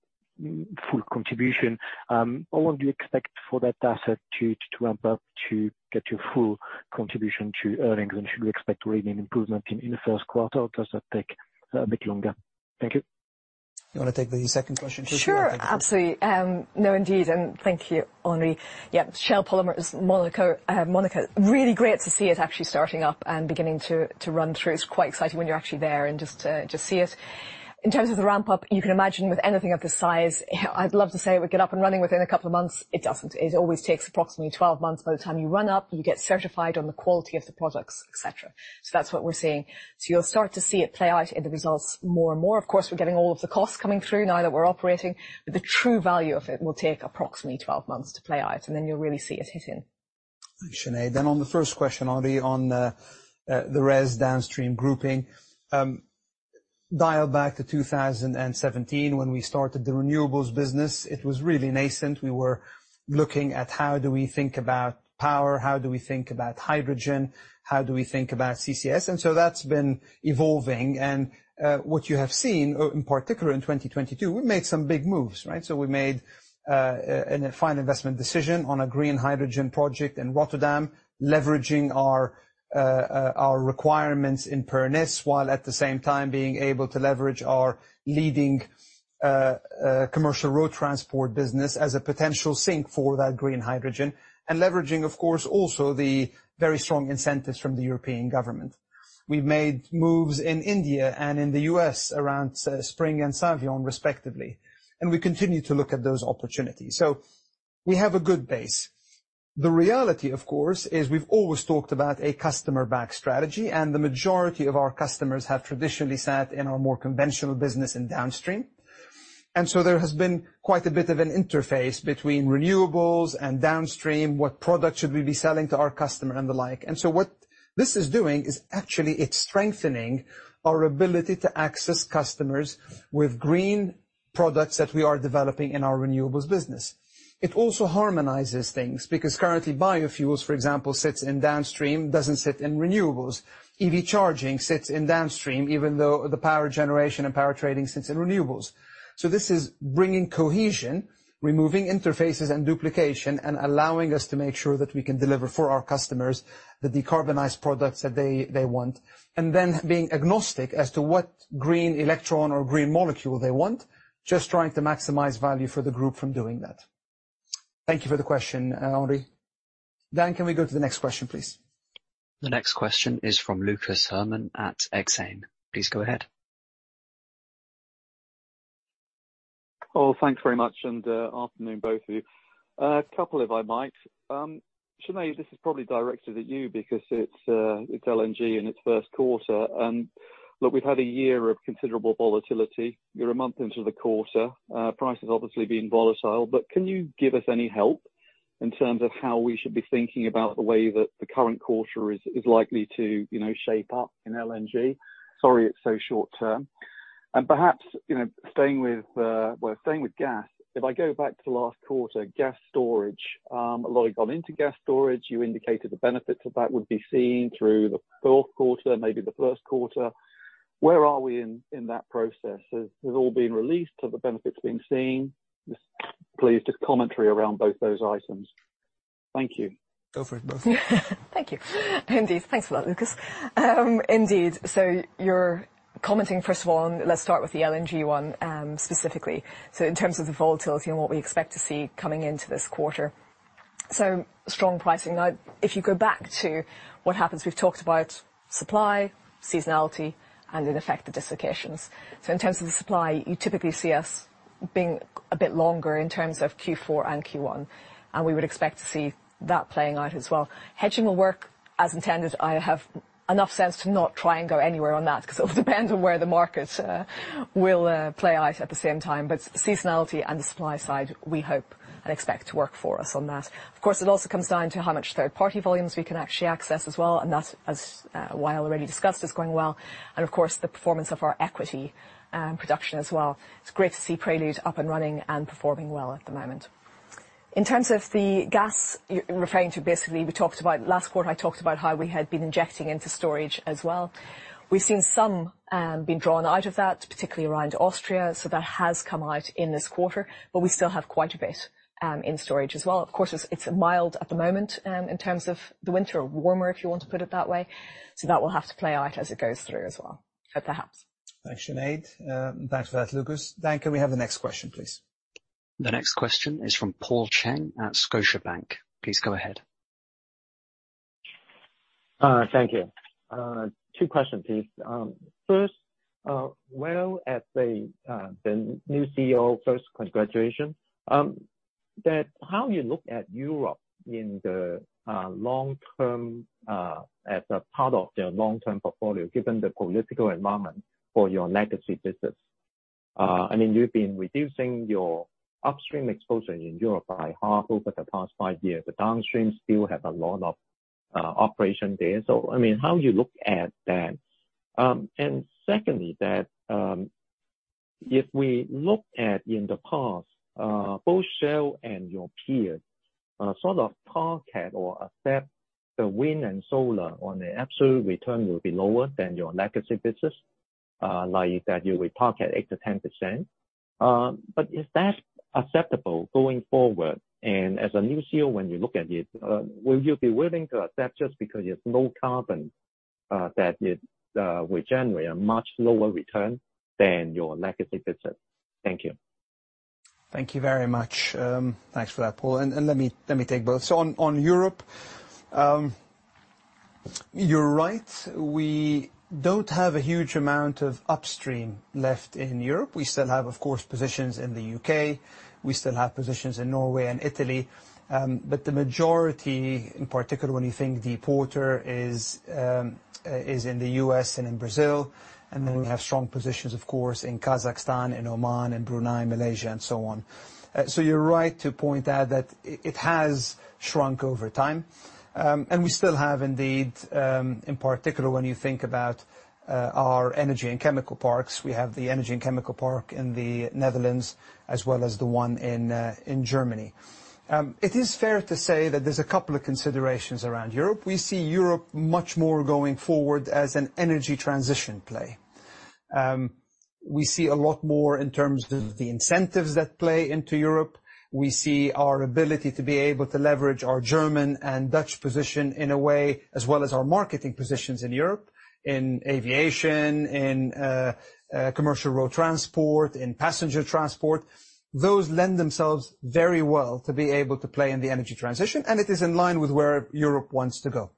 full contribution, how long do you expect for that asset to ramp up to get to full contribution to earnings, and should we expect really an improvement in the first quarter, or does that take a bit longer? Thank you. You wanna take the second question first? Sure. Absolutely. No, indeed, and thank you, Henri. Yeah, Shell Polymers Monaca, really great to see it actually starting up and beginning to run through. It's quite exciting when you're actually there and just to see it. In terms of the ramp-up, you can imagine with anything of this size, I'd love to say it would get up and running within a couple of months. It doesn't. It always takes approximately 12 months by the time you run up, you get certified on the quality of the products, et cetera. That's what we're seeing. You'll start to see it play out in the results more and more. Of course, we're getting all of the costs coming through now that we're operating, but the true value of it will take approximately 12 months to play out, and then you'll really see it hit in. Thanks, Sinead. On the first question, Henri, on the RES downstream grouping, dial back to 2017 when we started the renewables business. It was really nascent. We were looking at how do we think about power, how do we think about hydrogen, how do we think about CCS? That's been evolving. What you have seen in particular in 2022, we made some big moves, right? We made a final investment decision on a green hydrogen project in Rotterdam, leveraging our requirements in Pernis, while at the same time being able to leverage our leading commercial road transport business as a potential sink for that green hydrogen. Leveraging, of course, also the very strong incentives from the European government. We've made moves in India and in the US around Sprng and Savion respectively. We continue to look at those opportunities. We have a good base. The reality, of course, is we've always talked about a customer back strategy. The majority of our customers have traditionally sat in our more conventional business in downstream. There has been quite a bit of an interface between renewables and downstream, what product should we be selling to our customer and the like. What this is doing is actually it's strengthening our ability to access customers with green products that we are developing in our renewables business. It also harmonizes things, because currently Biofuels, for example, sits in downstream, doesn't sit in renewables. EV charging sits in downstream, even though the power generation and power trading sits in renewables. This is bringing cohesion, removing interfaces and duplication, allowing us to make sure that we can deliver for our customers the decarbonized products that they want. Being agnostic as to what green electron or green molecule they want, just trying to maximize value for the group from doing that. Thank you for the question, Henri. Dan, can we go to the next question, please? The next question is from Lucas Herrmann at Exane. Please go ahead. Thanks very much and afternoon, both of you. A couple if I might. Sinead, this is probably directed at you because it's LNG in its first quarter. Look, we've had a year of considerable volatility. You're a month into the quarter. Price has obviously been volatile, can you give us any help in terms of how we should be thinking about the way that the current quarter is likely to, you know, shape up in LNG? Sorry it's so short-term. Perhaps, you know, staying with, well, staying with gas, if I go back to last quarter, gas storage, a lot have gone into gas storage. You indicated the benefits of that would be seen through the fourth quarter, maybe the first quarter. Where are we in that process? Has it all been released? Are the benefits being seen? Please, just commentary around both those items. Thank you. Go for it, both of you. Thank you. Indeed. Thanks for that, Lucas. Indeed. You're commenting, first of all, let's start with the LNG one specifically. In terms of the volatility and what we expect to see coming into this quarter. Strong pricing. Now, if you go back to what happens, we've talked about supply, seasonality, and in effect, the dislocations. In terms of the supply, you typically see us being a bit longer in terms of Q4 and Q1, and we would expect to see that playing out as well. Hedging will work as intended. I have enough sense to not try and go anywhere on that 'cause it'll depend on where the market will play out at the same time. Seasonality and the supply side we hope and expect to work for us on that. Of course, it also comes down to how much third-party volumes we can actually access as well, and that, as Wael already discussed, is going well. Of course, the performance of our equity production as well. It's great to see Prelude up and running and performing well at the moment. In terms of the gas you're referring to, basically, we talked about, last quarter, I talked about how we had been injecting into storage as well. We've seen some being drawn out of that, particularly around Austria, so that has come out in this quarter. We still have quite a bit in storage as well. Of course, it's mild at the moment in terms of the winter or warmer, if you want to put it that way. That will have to play out as it goes through as well, but perhaps. Thanks, Sinead. Thanks for that, Lucas. Dan, can we have the next question, please? The next question is from Paul Cheng at Scotiabank. Please go ahead. Thank you. Two questions, please. First, Wael, as the new CEO, first, congratulations. That how you look at Europe in the long term, as a part of the long-term portfolio, given the political environment for your legacy business? I mean, you've been reducing your upstream exposure in Europe by half over the past five years. The downstream still have a lot of operation there. I mean, how you look at that? Secondly, that, if we look at in the past, both Shell and your peers, sort of target or accept the wind and solar on the absolute return will be lower than your legacy business, like that you will target 8% to 10%. Is that acceptable going forward? As a new CEO, when you look at it, will you be willing to accept just because it's low carbon, that it will generate a much lower return than your legacy business? Thank you. Thank you very much. Thanks for that, Paul. Let me take both. On Europe, you're right. We don't have a huge amount of upstream left in Europe. We still have, of course, positions in the UK. We still have positions in Norway and Italy. The majority, in particular when you think deepwater is in the U.S. and in Brazil, we have strong positions, of course, in Kazakhstan and Oman and Brunei, Malaysia, and so on. You're right to point out that it has shrunk over time. We still have indeed, in particular, when you think about our energy and chemical parks. We have the energy and chemical park in the Netherlands as well as the one in Germany. It is fair to say that there's a couple of considerations around Europe. We see Europe much more going forward as an energy transition play. We see a lot more in terms of the incentives that play into Europe. We see our ability to be able to leverage our German and Dutch position in a way, as well as our marketing positions in Europe, in aviation, in commercial road transport, in passenger transport. Those lend themselves very well to be able to play in the energy transition, and it is in line with where Europe wants to go.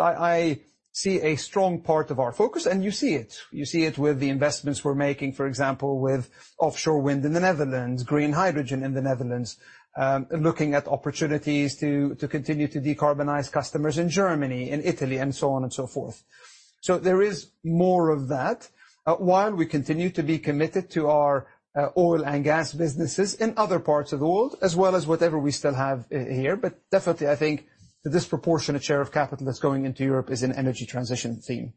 I see a strong part of our focus, and you see it. You see it with the investments we're making, for example, with offshore wind in the Netherlands, green hydrogen in the Netherlands, looking at opportunities to continue to decarbonize customers in Germany, in Italy, and so on and so forth. There is more of that while we continue to be committed to our oil and gas businesses in other parts of the world, as well as whatever we still have here. Definitely, I think the disproportionate share of capital that's going into Europe is an energy transition theme.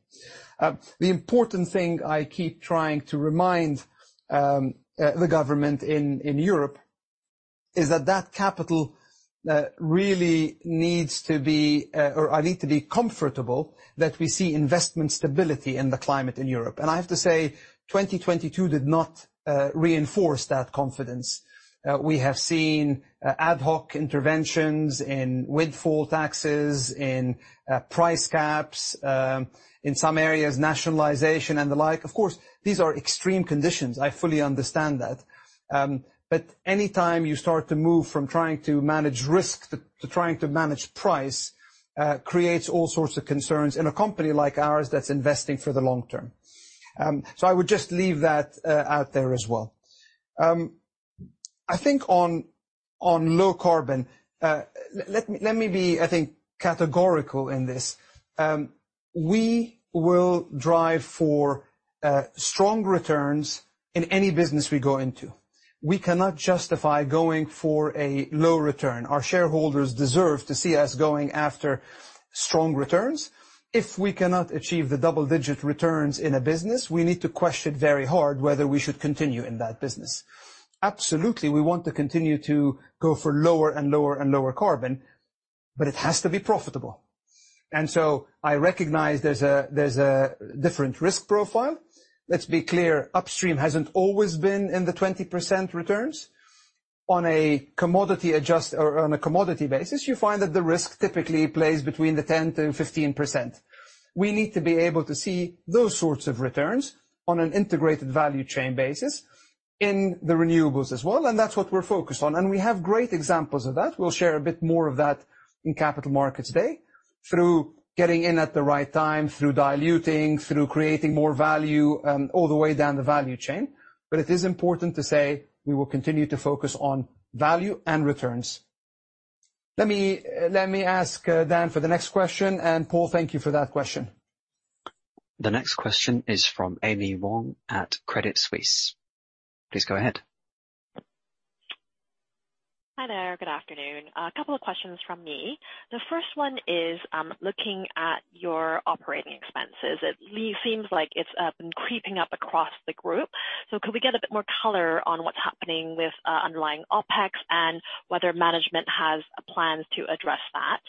The important thing I keep trying to remind the government in Europe is that that capital really needs to be, or I need to be comfortable that we see investment stability in the climate in Europe. I have to say, 2022 did not reinforce that confidence. We have seen ad hoc interventions in windfall taxes, in price caps, in some areas, nationalization and the like. Of course, these are extreme conditions. I fully understand that. Any time you start to move from trying to manage risk to trying to manage price creates all sorts of concerns in a company like ours that's investing for the long term. I would just leave that out there as well. I think on low carbon, let me be, I think, categorical in this. We will drive for strong returns in any business we go into. We cannot justify going for a low return. Our shareholders deserve to see us going after strong returns. If we cannot achieve the double-digit returns in a business, we need to question very hard whether we should continue in that business. Absolutely, we want to continue to go for lower and lower and lower carbon, but it has to be profitable. I recognize there's a different risk profile. Let's be clear, upstream hasn't always been in the 20% returns. On a commodity basis, you find that the risk typically plays between the 10%-15%. We need to be able to see those sorts of returns on an integrated value chain basis in the renewables as well, and that's what we're focused on. We have great examples of that. We'll share a bit more of that in Capital Markets Day through getting in at the right time, through diluting, through creating more value, all the way down the value chain. It is important to say we will continue to focus on value and returns. Let me ask Dan for the next question. Paul, thank you for that question. The next question is from Amy Wong at Credit Suisse. Please go ahead. Hi there. Good afternoon. A couple of questions from me. The first one is, looking at your operating expenses. It seems like it's been creeping up across the group. Could we get a bit more color on what's happening with underlying OpEx and whether management has plans to address that?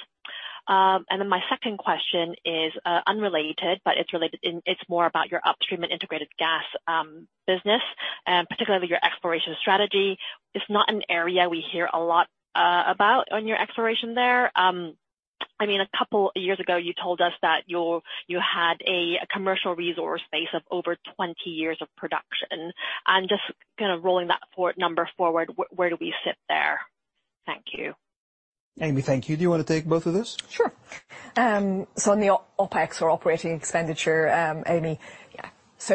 My second question is unrelated, but it's related. It's more about your upstream and Integrated Gas business, particularly your exploration strategy. It's not an area we hear a lot about on your exploration there. I mean, a couple years ago, you told us that you had a commercial resource base of over 20 years of production. Just kind of rolling that number forward, where do we sit there? Thank you. Amy, thank you. Do you wanna take both of those? Sure. On the OpEx or operating expenditure, Amy, yeah.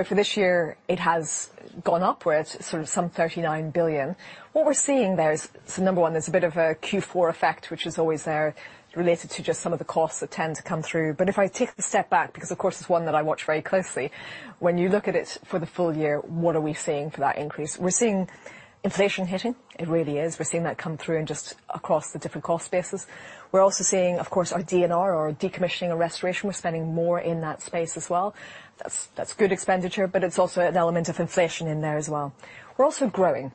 For this year, it has gone up. We're at sort of some $39 billion. What we're seeing there is, number one, there's a bit of a Q4 effect, which is always there related to just some of the costs that tend to come through. If I take the step back, because of course it's one that I watch very closely, when you look at it for the full year, what are we seeing for that increase? We're seeing inflation hitting. It really is. We're seeing that come through and just across the different cost spaces. We're also seeing, of course, our D&R or Decommissioning and Restoration. We're spending more in that space as well. That's good expenditure, it's also an element of inflation in there as well. We're also growing.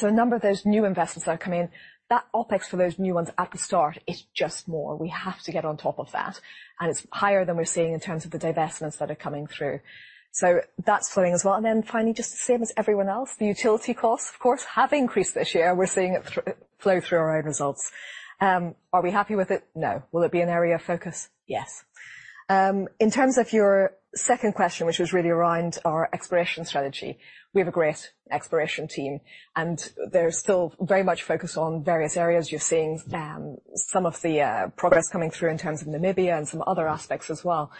A number of those new investments that are coming in, that OpEx for those new ones at the start is just more. We have to get on top of that, it's higher than we're seeing in terms of the divestments that are coming through. That's flowing as well. Finally, just the same as everyone else, the utility costs of course have increased this year. We're seeing it flow through our own results. Are we happy with it? No. Will it be an area of focus? Yes. In terms of your second question, which was really around our exploration strategy, we have a great exploration team, they're still very much focused on various areas. You're seeing some of the progress coming through in terms of Namibia and some other aspects as well.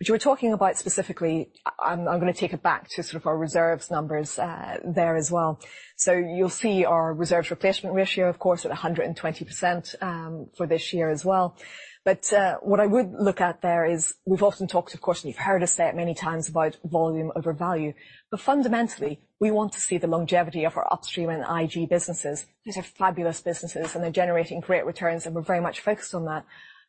You were talking about specifically, I'm gonna take it back to sort of our reserves numbers there as well. You'll see our reserves replacement ratio, of course, at 120% for this year as well. What I would look at there is we've often talked, of course, and you've heard us say it many times about volume over value. Fundamentally, we want to see the longevity of our upstream and IG businesses. These are fabulous businesses, and they're generating great returns, and we're very much focused on that.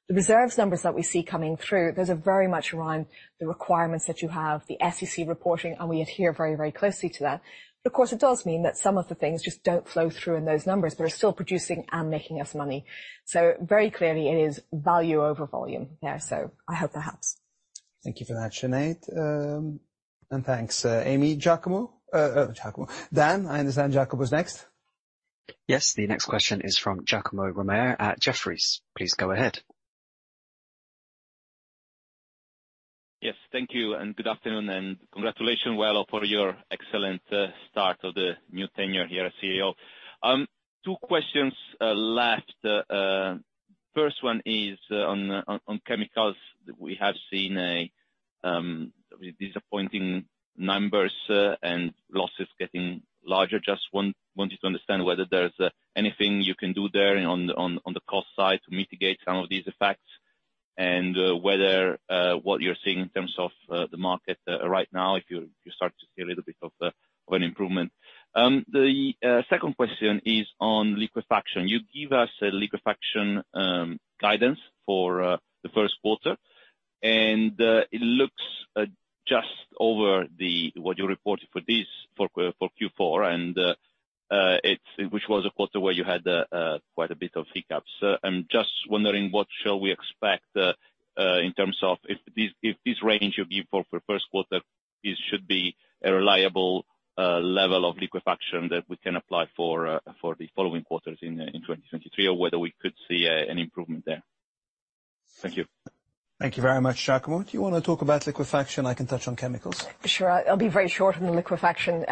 The reserves numbers that we see coming through, those are very much around the requirements that you have, the SEC reporting, and we adhere very, very closely to that. Of course, it does mean that some of the things just don't flow through in those numbers. They're still producing and making us money. Very clearly it is value over volume. Yeah, I hope that helps. Thank you for that, Sinead. Thanks, Amy. Giacomo. Dan, I understand Giacomo's next. Yes. The next question is from Giacomo Romeo at Jefferies. Please go ahead. Thank you, and good afternoon, and congratulations, Wael, for your excellent start of the new tenure here as CEO. Two questions left. First one is on chemicals. We have seen a disappointing numbers and losses getting larger. Just wanted to understand whether there's anything you can do there on the cost side to mitigate some of these effects and whether what you're seeing in terms of the market right now, if you start to see a little bit of an improvement. The second question is on liquefaction. You give us a liquefaction guidance for the first quarter, and it looks just over the... what you reported for this, for Q4, which was a quarter where you had quite a bit of hiccup. I'm just wondering what shall we expect in terms of if this, if this range you give for first quarter, it should be a reliable level of liquefaction that we can apply for for the following quarters in 2023, or whether we could see an improvement there. Thank you. Thank you very much, Giacomo. Do you wanna talk about liquefaction? I can touch on chemicals. Sure. I'll be very short on the liquefaction.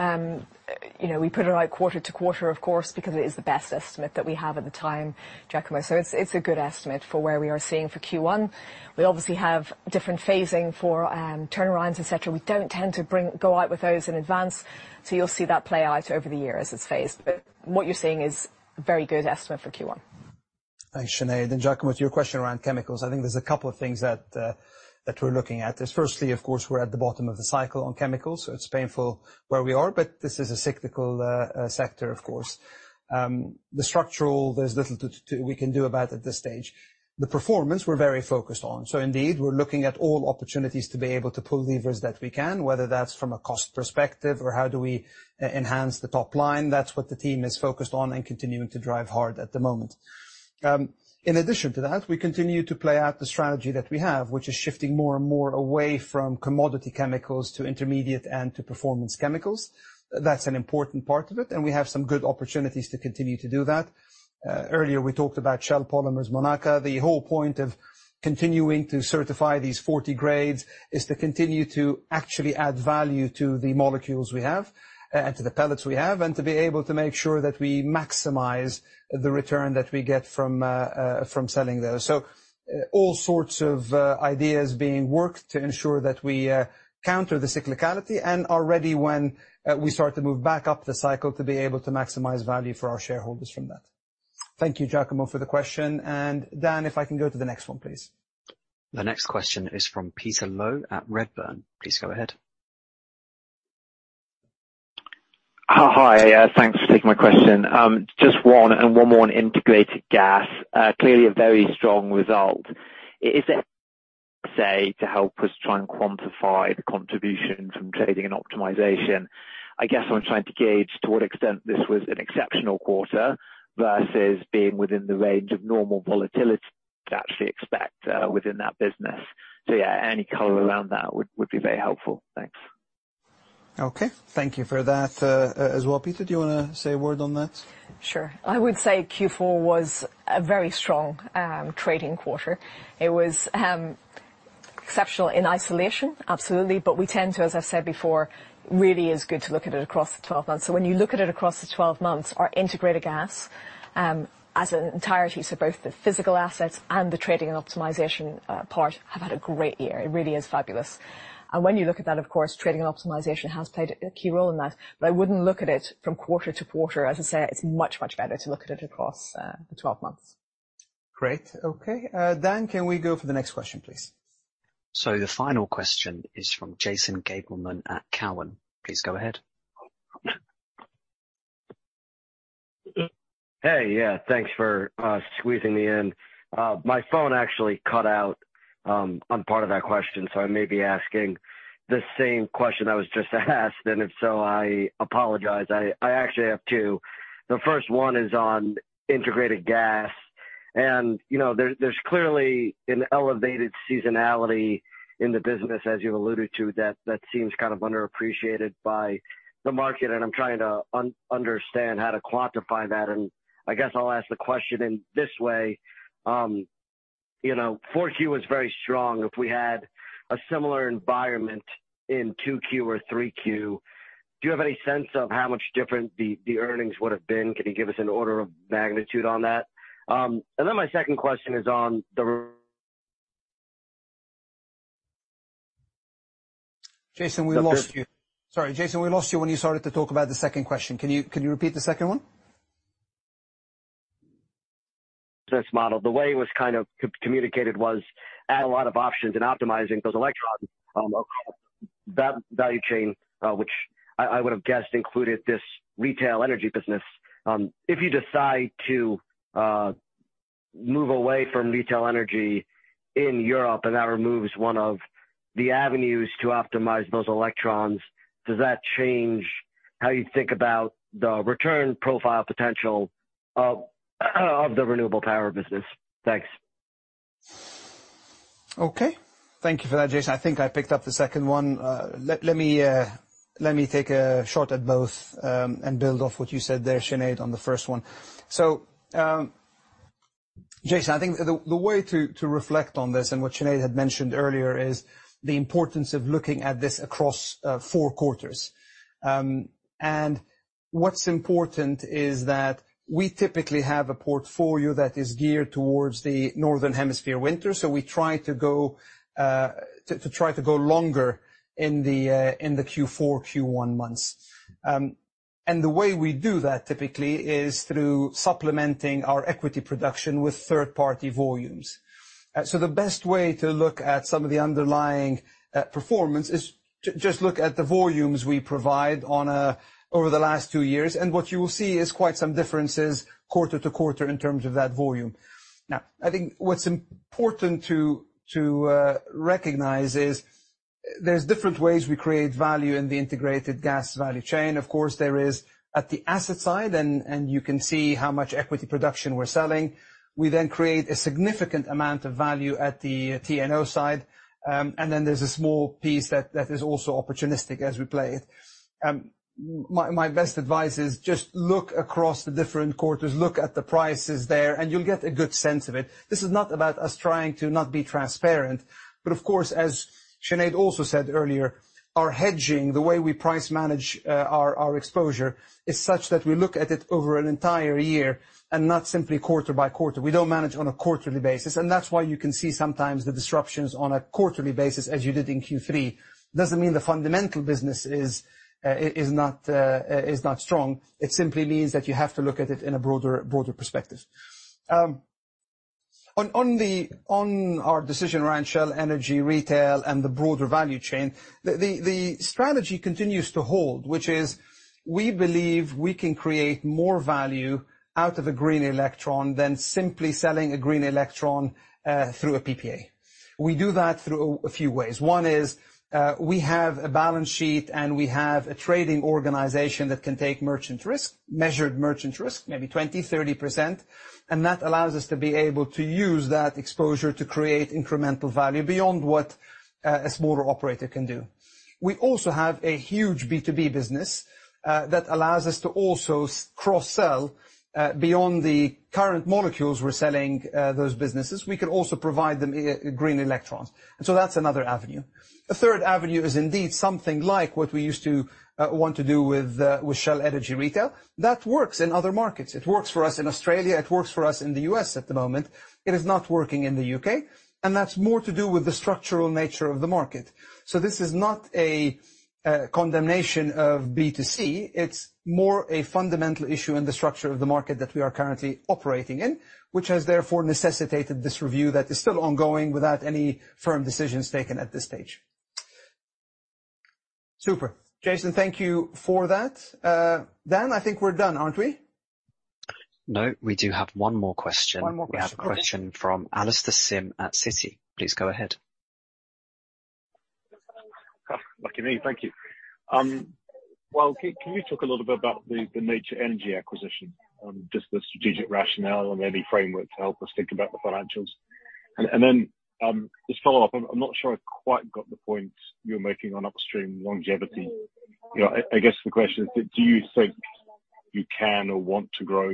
You know, we put it out quarter to quarter, of course, because it is the best estimate that we have at the time, Giacomo. It's a good estimate for where we are seeing for Q1. We obviously have different phasing for turnarounds, et cetera. We don't tend to go out with those in advance, so you'll see that play out over the year as it's phased. What you're seeing is a very good estimate for Q1. Thanks, Sinead. Giacomo, to your question around chemicals, I think there's a couple of things that we're looking at. There's firstly, of course, we're at the bottom of the cycle on chemicals, so it's painful where we are, but this is a cyclical sector, of course. The structural, there's little we can do about at this stage. The performance we're very focused on. Indeed, we're looking at all opportunities to be able to pull levers that we can, whether that's from a cost perspective or how do we e-enhance the top line. That's what the team is focused on and continuing to drive hard at the moment. In addition to that, we continue to play out the strategy that we have, which is shifting more and more away from commodity chemicals to intermediate and to performance chemicals. That's an important part of it, and we have some good opportunities to continue to do that. Earlier we talked about Shell Polymers Monaca. The whole point of continuing to certify these 40 grades is to continue to actually add value to the molecules we have, and to the pellets we have, and to be able to make sure that we maximize the return that we get from selling those. All sorts of ideas being worked to ensure that we counter the cyclicality and are ready when we start to move back up the cycle to be able to maximize value for our shareholders from that. Thank you, Giacomo, for the question. Dan, if I can go to the next one, please. The next question is from Peter Low at Redburn. Please go ahead. Hi. Thanks for taking my question. Just one and one more on Integrated Gas. Clearly a very strong result. Is it say to help us try and quantify the contribution from trading and optimization? I guess I'm trying to gauge to what extent this was an exceptional quarter versus being within the range of normal volatility to actually expect within that business. Yeah, any color around that would be very helpful. Thanks. Okay. Thank you for that, as well. Peter, do you wanna say a word on that? Sure. I would say Q4 was a very strong trading quarter. It was exceptional in isolation, absolutely. We tend to, as I said before, really is good to look at it across the 12 months. When you look at it across the 12 months, our Integrated Gas, as an entirety, so both the physical assets and the Trading and Optimization part, have had a great year. It really is fabulous. When you look at that, of course, Trading and Optimization has played a key role in that. I wouldn't look at it from quarter to quarter. As I said, it's much, much better to look at it across the 12 months. Great. Okay. Dan, can we go for the next question, please? The final question is from Jason Gabelman at Cowen. Please go ahead. Hey. Thanks for squeezing me in. My phone actually cut out on part of that question. I may be asking the same question that was just asked. If so, I apologize. I actually have two. The first one is on Integrated Gas. You know, there's clearly an elevated seasonality in the business, as you alluded to, that seems kind of underappreciated by the market, and I'm trying to understand how to quantify that. I guess I'll ask the question in this way. You know, 4Q was very strong. If we had a similar environment in 2Q or 3Q, do you have any sense of how much different the earnings would have been? Can you give us an order of magnitude on that? My second question is on. Jason, we lost you. Sorry, Jason, we lost you when you started to talk about the second question. Can you repeat the second one? This model, the way it was kind of co-communicated was add a lot of options in optimizing those electrons, that value chain, which I would have guessed included this retail energy business. If you decide to move away from retail energy in Europe and that removes one of the avenues to optimize those electrons, does that change how you think about the return profile potential of the renewable power business? Thanks. Thank you for that, Jason. I think I picked up the second one. Let me take a shot at both and build off what you said there, Sinead, on the first one. Jason, I think the way to reflect on this, and what Sinead had mentioned earlier, is the importance of looking at this across four quarters. What's important is that we typically have a portfolio that is geared towards the Northern Hemisphere winter, so we try to go longer in the Q4, Q1 months. The way we do that typically is through supplementing our equity production with third-party volumes. The best way to look at some of the underlying performance is to just look at the volumes we provide over the last two years, and what you will see is quite some differences quarter to quarter in terms of that volume. I think what's important to recognize is there's different ways we create value in the Integrated Gas value chain. Of course, there is at the asset side, and you can see how much equity production we're selling. We then create a significant amount of value at the T&O side. There's a small piece that is also opportunistic as we play it. My best advice is just look across the different quarters, look at the prices there, and you'll get a good sense of it. This is not about us trying to not be transparent. Of course, as Sinead also said earlier, our hedging, the way we price manage, our exposure is such that we look at it over an entire year and not simply quarter by quarter. We don't manage on a quarterly basis. That's why you can see sometimes the disruptions on a quarterly basis as you did in Q3. Doesn't mean the fundamental business is not strong. It simply means that you have to look at it in a broader perspective. On our decision around Shell Energy Retail and the broader value chain, the strategy continues to hold, which is we believe we can create more value out of a green electron than simply selling a green electron through a PPA. We do that through a few ways. One is, we have a balance sheet, and we have a trading organization that can take merchant risk, measured merchant risk, maybe 20%-30%, and that allows us to be able to use that exposure to create incremental value beyond what a smaller operator can do. We also have a huge B2B business that allows us to also cross-sell beyond the current molecules we're selling those businesses. We can also provide them e-green electrons. That's another avenue. A third avenue is indeed something like what we used to want to do with Shell Energy Retail. That works in other markets. It works for us in Australia. It works for us in the U.S. at the moment. It is not working in the UK, and that's more to do with the structural nature of the market. This is not a condemnation of B2C. It's more a fundamental issue in the structure of the market that we are currently operating in, which has therefore necessitated this review that is still ongoing without any firm decisions taken at this stage. Super. Jason, thank you for that. Dan, I think we're done, aren't we? No, we do have one more question. One more question. Okay. We have a question from Alastair Sim at Citi. Please go ahead. Lucky me. Thank you. Wael, can you talk a little bit about the Nature Energy acquisition, just the strategic rationale and any framework to help us think about the financials? Then, just follow up, I'm not sure I quite got the point you're making on upstream longevity. You know, I guess the question is do you think you can or want to grow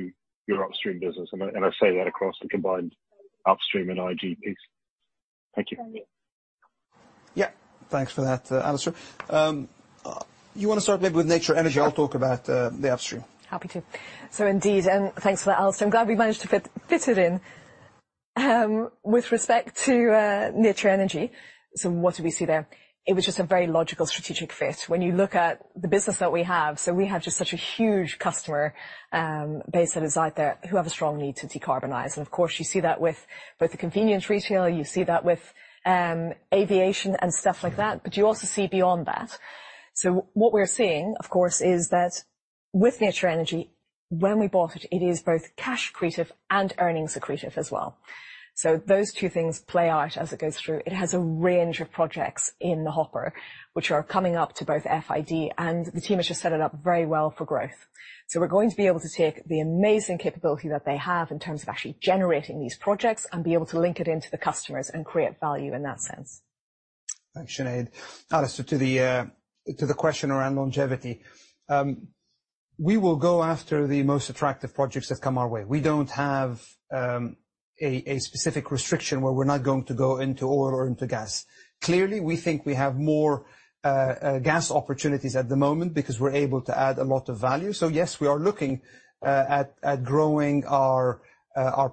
your upstream business? I say that across the combined upstream and IG piece. Thank you. Yeah. Thanks for that, Alastair. You wanna start maybe with Nature Energy? I'll talk about the upstream. Happy to. Indeed, and thanks for that, Alastair. I'm glad we managed to fit it in. With respect to Nature Energy, what do we see there? It was just a very logical strategic fit. When you look at the business that we have, we have just such a huge customer base that is out there who have a strong need to decarbonize. Of course, you see that with both the convenience retail, you see that with aviation and stuff like that. You also see beyond that. What we're seeing, of course, is that with Nature Energy, when we bought it is both cash accretive and earnings accretive as well. Those two things play out as it goes through. It has a range of projects in the hopper, which are coming up to both FID, and the team has just set it up very well for growth. We're going to be able to take the amazing capability that they have in terms of actually generating these projects and be able to link it into the customers and create value in that sense. Thanks, Sinead. Alastair, to the question around longevity, we will go after the most attractive projects that come our way. We don't have a specific restriction where we're not going to go into oil or into gas. Clearly, we think we have more gas opportunities at the moment because we're able to add a lot of value. Yes, we are looking at growing our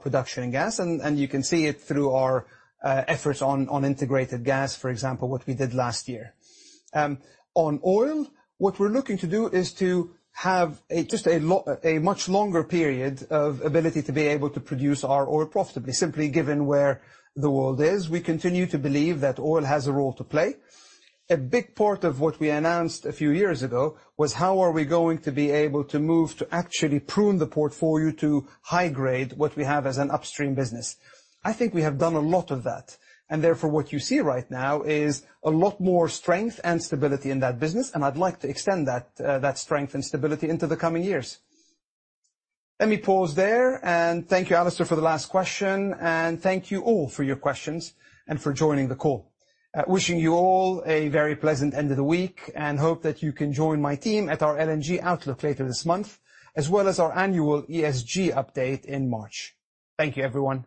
production in gas, and you can see it through our efforts on Integrated Gas, for example, what we did last year. On oil, what we're looking to do is to have a just a much longer period of ability to be able to produce our oil profitably, simply given where the world is. We continue to believe that oil has a role to play. A big part of what we announced a few years ago was how are we going to be able to move to actually prune the portfolio to high grade what we have as an upstream business. I think we have done a lot of that, and therefore what you see right now is a lot more strength and stability in that business, and I'd like to extend that strength and stability into the coming years. Let me pause there, and thank you, Alastair, for the last question. Thank you all for your questions and for joining the call. Wishing you all a very pleasant end of the week and hope that you can join my team at our LNG outlook later this month, as well as our annual ESG update in March. Thank you, everyone.